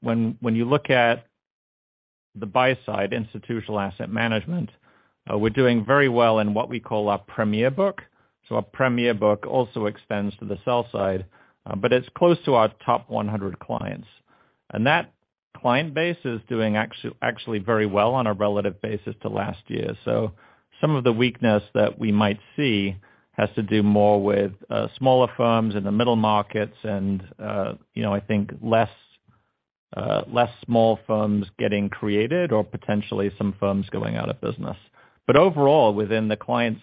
When you look at the buy side, institutional asset management, we're doing very well in what we call our premier book. Our premier book also extends to the sell side, but it's close to our top 100 clients. That client base is doing actually very well on a relative basis to last year. Some of the weakness that we might see has to do more with smaller firms in the middle markets and, you know, I think less small firms getting created or potentially some firms going out of business. Overall, within the clients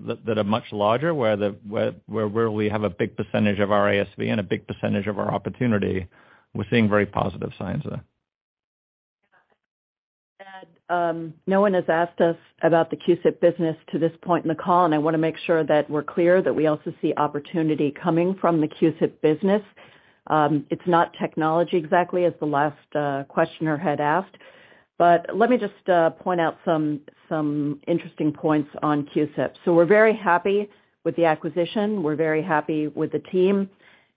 that are much larger, where we have a big percentage of our ASV and a big percentage of our opportunity, we're seeing very positive signs there. No one has asked us about the CUSIP business to this point in the call, and I wanna make sure that we're clear that we also see opportunity coming from the CUSIP business. It's not technology exactly as the last questioner had asked, but let me just point out some interesting points on CUSIP. We're very happy with the acquisition. We're very happy with the team,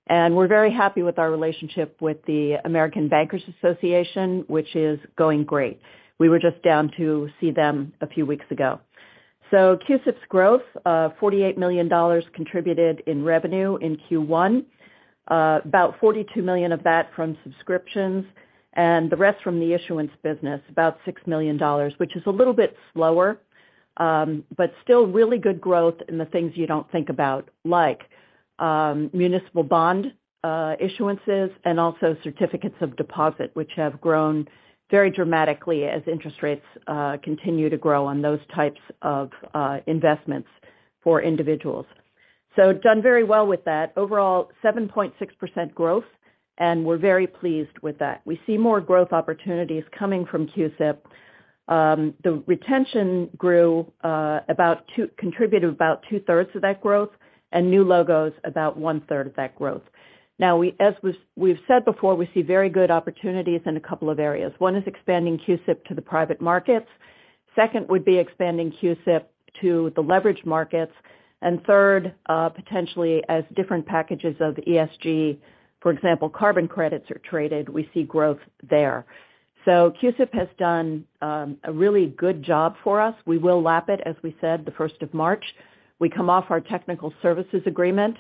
and we're very happy with our relationship with the American Bankers Association, which is going great. We were just down to see them a few weeks ago. CUSIP's growth, $48 million contributed in revenue in Q1, about $42 million of that from subscriptions and the rest from the issuance business, about $6 million, which is a little bit slower, but still really good growth in the things you don't think about, like municipal bond issuances and also certificates of deposit, which have grown very dramatically as interest rates continue to grow on those types of investments for individuals. Done very well with that. Overall, 7.6% growth, and we're very pleased with that. We see more growth opportunities coming from CUSIP. The retention grew, contributed about 2/3 of that growth and new logos about 1/3 of that growth. As we've said before, we see very good opportunities in a couple of areas. One is expanding CUSIP to the private markets. Second would be expanding CUSIP to the leverage markets. Third, potentially as different packages of ESG, for example, carbon credits are traded, we see growth there. CUSIP has done a really good job for us. We will lap it, as we said, the 1st of March. We come off our technical services agreement.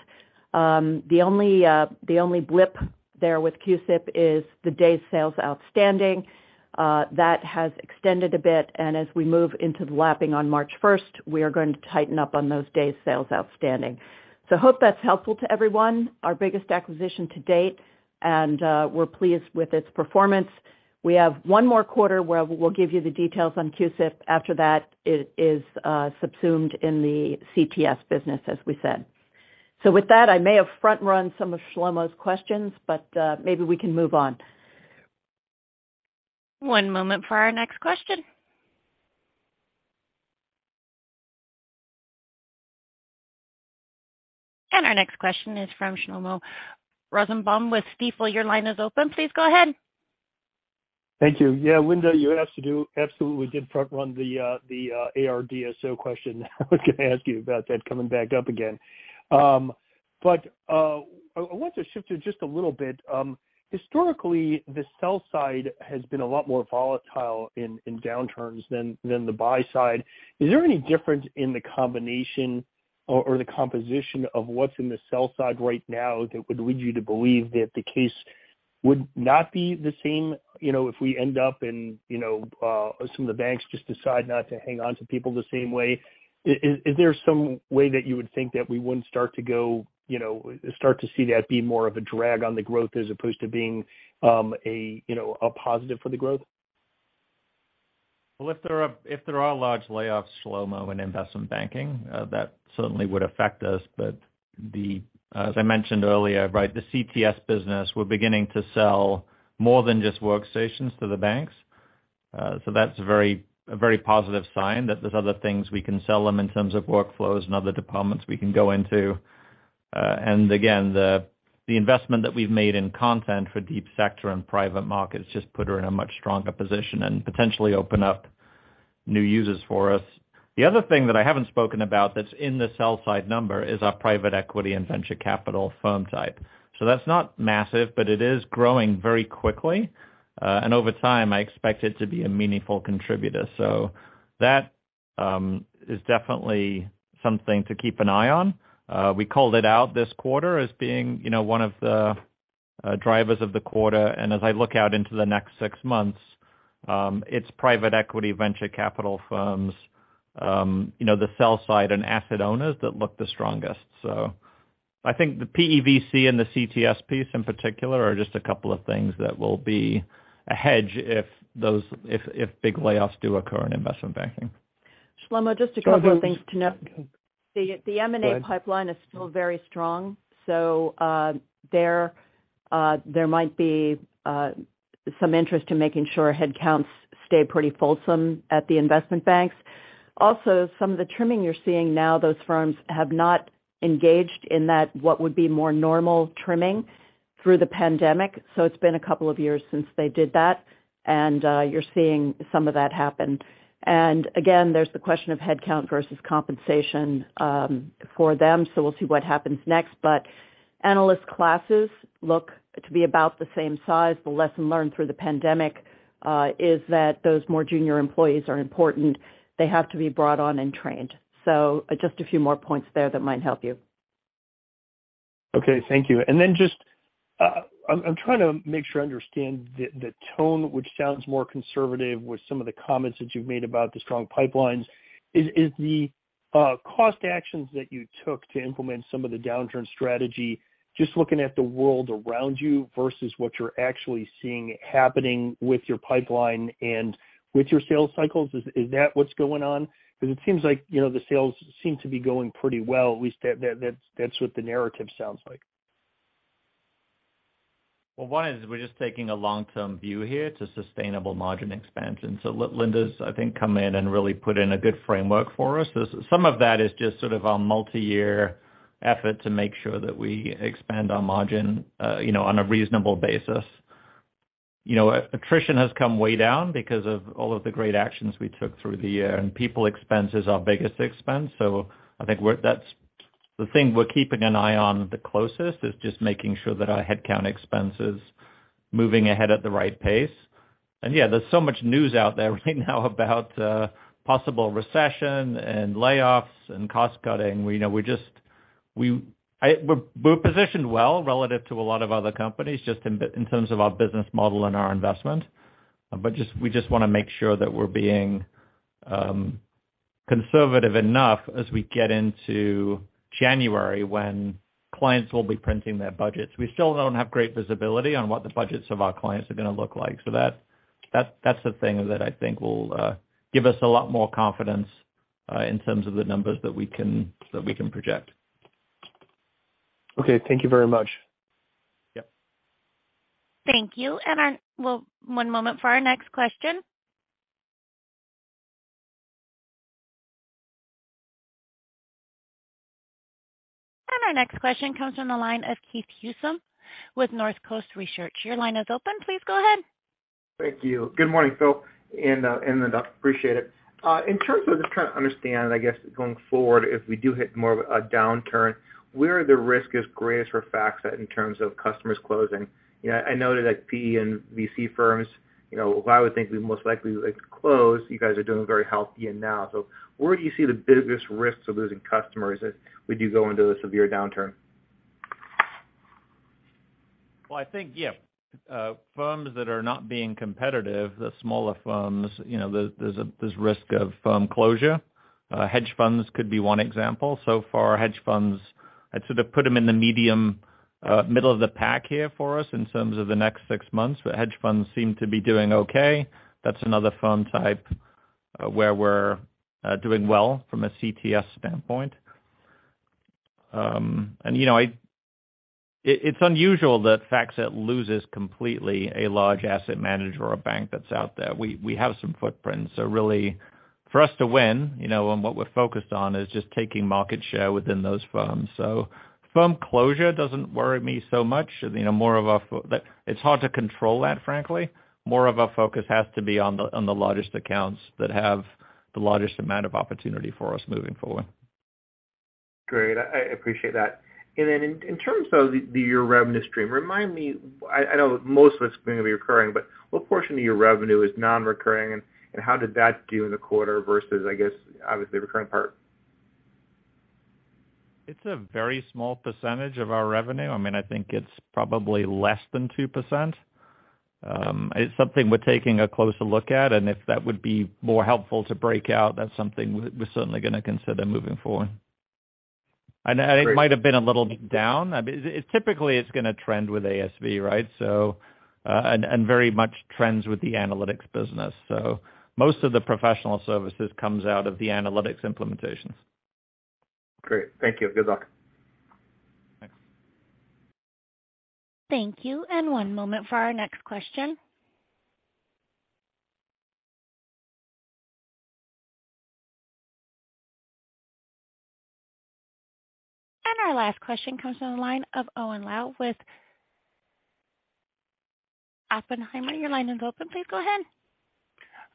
The only, the only blip there with CUSIP is the day sales outstanding that has extended a bit. As we move into the lapping on March 1st, we are going to tighten up on those days sales outstanding. Hope that's helpful to everyone, our biggest acquisition to date, and we're pleased with its performance. We have one more quarter where we'll give you the details on CUSIP. After that, it is, subsumed in the CTS business, as we said. With that, I may have front-run some of Shlomo's questions, but, maybe we can move on. One moment for our next question. Our next question is from Shlomo Rosenbaum with Stifel. Your line is open. Please go ahead. Thank you. Yeah, Linda, you absolutely did front-run the AR DSO question. I was gonna ask you about that coming back up again. I want to shift it just a little bit. Historically, the sell side has been a lot more volatile in downturns than the buy side. Is there any difference in the combination or the composition of what's in the sell side right now that would lead you to believe that the case would not be the same, you know, if we end up in, you know, some of the banks just decide not to hang on to people the same way? Is there some way that you would think that we wouldn't start to go, you know, start to see that be more of a drag on the growth as opposed to being, a, you know, a positive for the growth? If there are, if there are large layoffs, Shlomo, in investment banking, that certainly would affect us. As I mentioned earlier, right, the CTS business, we're beginning to sell more than just workstations to the banks. That's a very, a very positive sign that there's other things we can sell them in terms of workflows and other departments we can go into. Again, the investment that we've made in content for deep sector and private markets just put her in a much stronger position and potentially open up new users for us. The other thing that I haven't spoken about that's in the sell side number is our private equity and venture capital firm side. That's not massive, but it is growing very quickly. Over time, I expect it to be a meaningful contributor. That is definitely something to keep an eye on. We called it out this quarter as being, you know, one of the drivers of the quarter. As I look out into the next six months, it's private equity venture capital firms, you know, the sell side and asset owners that look the strongest. I think the PEVC and the CTS piece in particular are just a couple of things that will be a hedge if big layoffs do occur in investment banking. Shlomo, just a couple of things to note. The M&A pipeline is still very strong, so there might be some interest in making sure headcounts stay pretty fulsome at the investment banks. Some of the trimming you're seeing now, those firms have not engaged in that what would be more normal trimming through the pandemic. It's been a couple of years since they did that, and you're seeing some of that happen. Again, there's the question of headcount versus compensation for them. We'll see what happens next. Analyst classes look to be about the same size. The lesson learned through the pandemic is that those more junior employees are important. They have to be brought on and trained. Just a few more points there that might help you. Okay. Thank you. Just I'm trying to make sure I understand the tone which sounds more conservative with some of the comments that you've made about the strong pipelines. Is the cost actions that you took to implement some of the downturn strategy just looking at the world around you versus what you're actually seeing happening with your pipeline and with your sales cycles? Is that what's going on? It seems like, you know, the sales seem to be going pretty well. At least that's what the narrative sounds like. Well, one is we're just taking a long-term view here to sustainable margin expansion. Linda's, I think, come in and really put in a good framework for us. Some of that is just sort of our multi-year effort to make sure that we expand our margin, you know, on a reasonable basis. You know, attrition has come way down because of all of the great actions we took through the year, and people expense is our biggest expense. I think that's the thing we're keeping an eye on the closest, is just making sure that our headcount expense is moving ahead at the right pace. Yeah, there's so much news out there right now about possible recession and layoffs and cost-cutting. We, you know, we're positioned well relative to a lot of other companies just in terms of our business model and our investment. We just wanna make sure that we're being conservative enough as we get into January when clients will be printing their budgets. We still don't have great visibility on what the budgets of our clients are gonna look like. That's the thing that I think will give us a lot more confidence in terms of the numbers that we can, that we can project. Okay. Thank you very much. Yep. Thank you. Well, one moment for our next question. Our next question comes from the line of Keith Housum with Northcoast Research. Your line is open. Please go ahead. Thank you. Good morning, Phil and Linda. Appreciate it. In terms of just trying to understand, I guess, going forward, if we do hit more of a downturn, where are the risk is greatest for FactSet in terms of customers closing? You know, I know that like PE and VC firms, you know, who I would think we most likely would close, you guys are doing very healthy in now. Where do you see the biggest risks of losing customers if we do go into a severe downturn? Well, I think, yeah, firms that are not being competitive, the smaller firms, you know, there's risk of firm closure. Hedge funds could be one example. So far, hedge funds, I'd sort of put them in the medium, middle of the pack here for us in terms of the next six months, but hedge funds seem to be doing okay. That's another firm type, where we're doing well from a CTS standpoint. And, you know, it's unusual that FactSet loses completely a large asset manager or a bank that's out there. We have some footprint. Really for us to win, you know, and what we're focused on is just taking market share within those firms. Firm closure doesn't worry me so much. You know, more of a It's hard to control that, frankly. More of our focus has to be on the, on the largest accounts that have the largest amount of opportunity for us moving forward. Great. I appreciate that. In terms of your revenue stream, remind me, I know most of it's going to be recurring, what portion of your revenue is non-recurring, and how did that do in the quarter versus, I guess, obviously, the recurring part? It's a very small percentage of our revenue. I mean, I think it's probably less than 2%. It's something we're taking a closer look at, and if that would be more helpful to break out, that's something we're certainly gonna consider moving forward. Great. It might have been a little down. I mean, it typically it's gonna trend with ASV, right? And very much trends with the analytics business. Most of the professional services comes out of the analytics implementations. Great. Thank you. Good luck. Thanks. Thank you. One moment for our next question. Our last question comes from the line of Owen Lau with Oppenheimer. Your line is open. Please go ahead.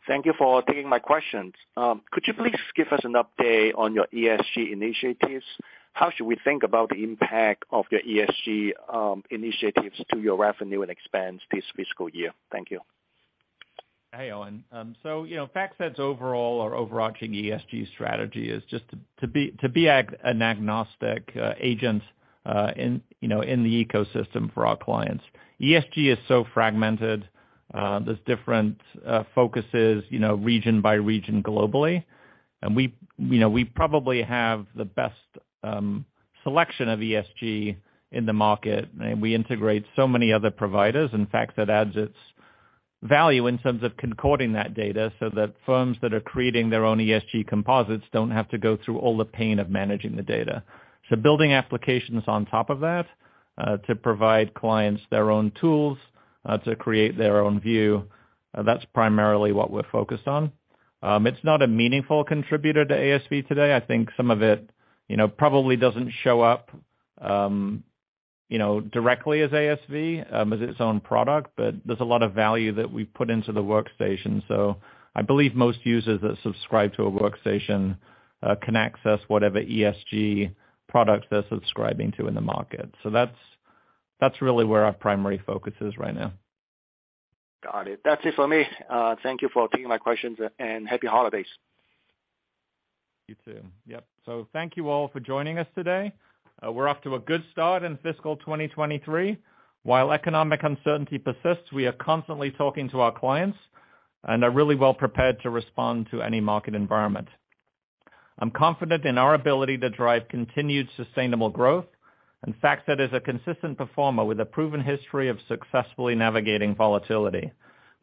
Thank you for taking my questions. Could you please give us an update on your ESG initiatives? How should we think about the impact of your ESG initiatives to your revenue and expense this fiscal year? Thank you. Hey, Owen. You know, FactSet's overall or overarching ESG strategy is just to be an agnostic agent in, you know, in the ecosystem for our clients. ESG is so fragmented. There's different focuses, you know, region by region globally. We, you know, we probably have the best selection of ESG in the market, and we integrate so many other providers. In fact, that adds its value in terms of concording that data so that firms that are creating their own ESG composites don't have to go through all the pain of managing the data. Building applications on top of that, to provide clients their own tools, to create their own view, that's primarily what we're focused on. It's not a meaningful contributor to ASV today. I think some of it, you know, probably doesn't show up, you know, directly as ASV, as its own product, but there's a lot of value that we put into the Workstation. I believe most users that subscribe to a workstation, can access whatever ESG products they're subscribing to in the market. That's, that's really where our primary focus is right now. Got it. That's it for me. Thank you for taking my questions, and happy holidays. You too. Yep. Thank you all for joining us today. We're off to a good start in fiscal 2023. While economic uncertainty persists, we are constantly talking to our clients and are really well prepared to respond to any market environment. I'm confident in our ability to drive continued sustainable growth, and FactSet is a consistent performer with a proven history of successfully navigating volatility.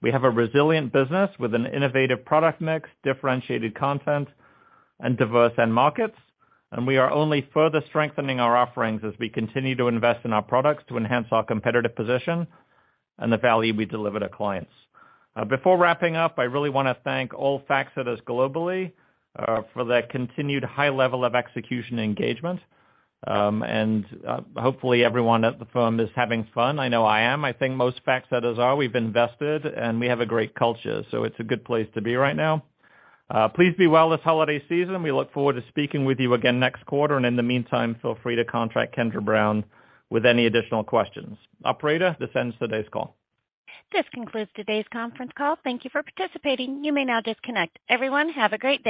We have a resilient business with an innovative product mix, differentiated content, and diverse end markets, and we are only further strengthening our offerings as we continue to invest in our products to enhance our competitive position and the value we deliver to clients. Before wrapping up, I really wanna thank all FactSetters globally for their continued high level of execution engagement. And hopefully everyone at the firm is having fun. I know I am. I think most FactSetters are. We've invested, and we have a great culture, so it's a good place to be right now. Please be well this holiday season. We look forward to speaking with you again next quarter. In the meantime, feel free to contact Kendra Brown with any additional questions. Operator, this ends today's call. This concludes today's conference call. Thank you for participating. You may now disconnect. Everyone, have a great day.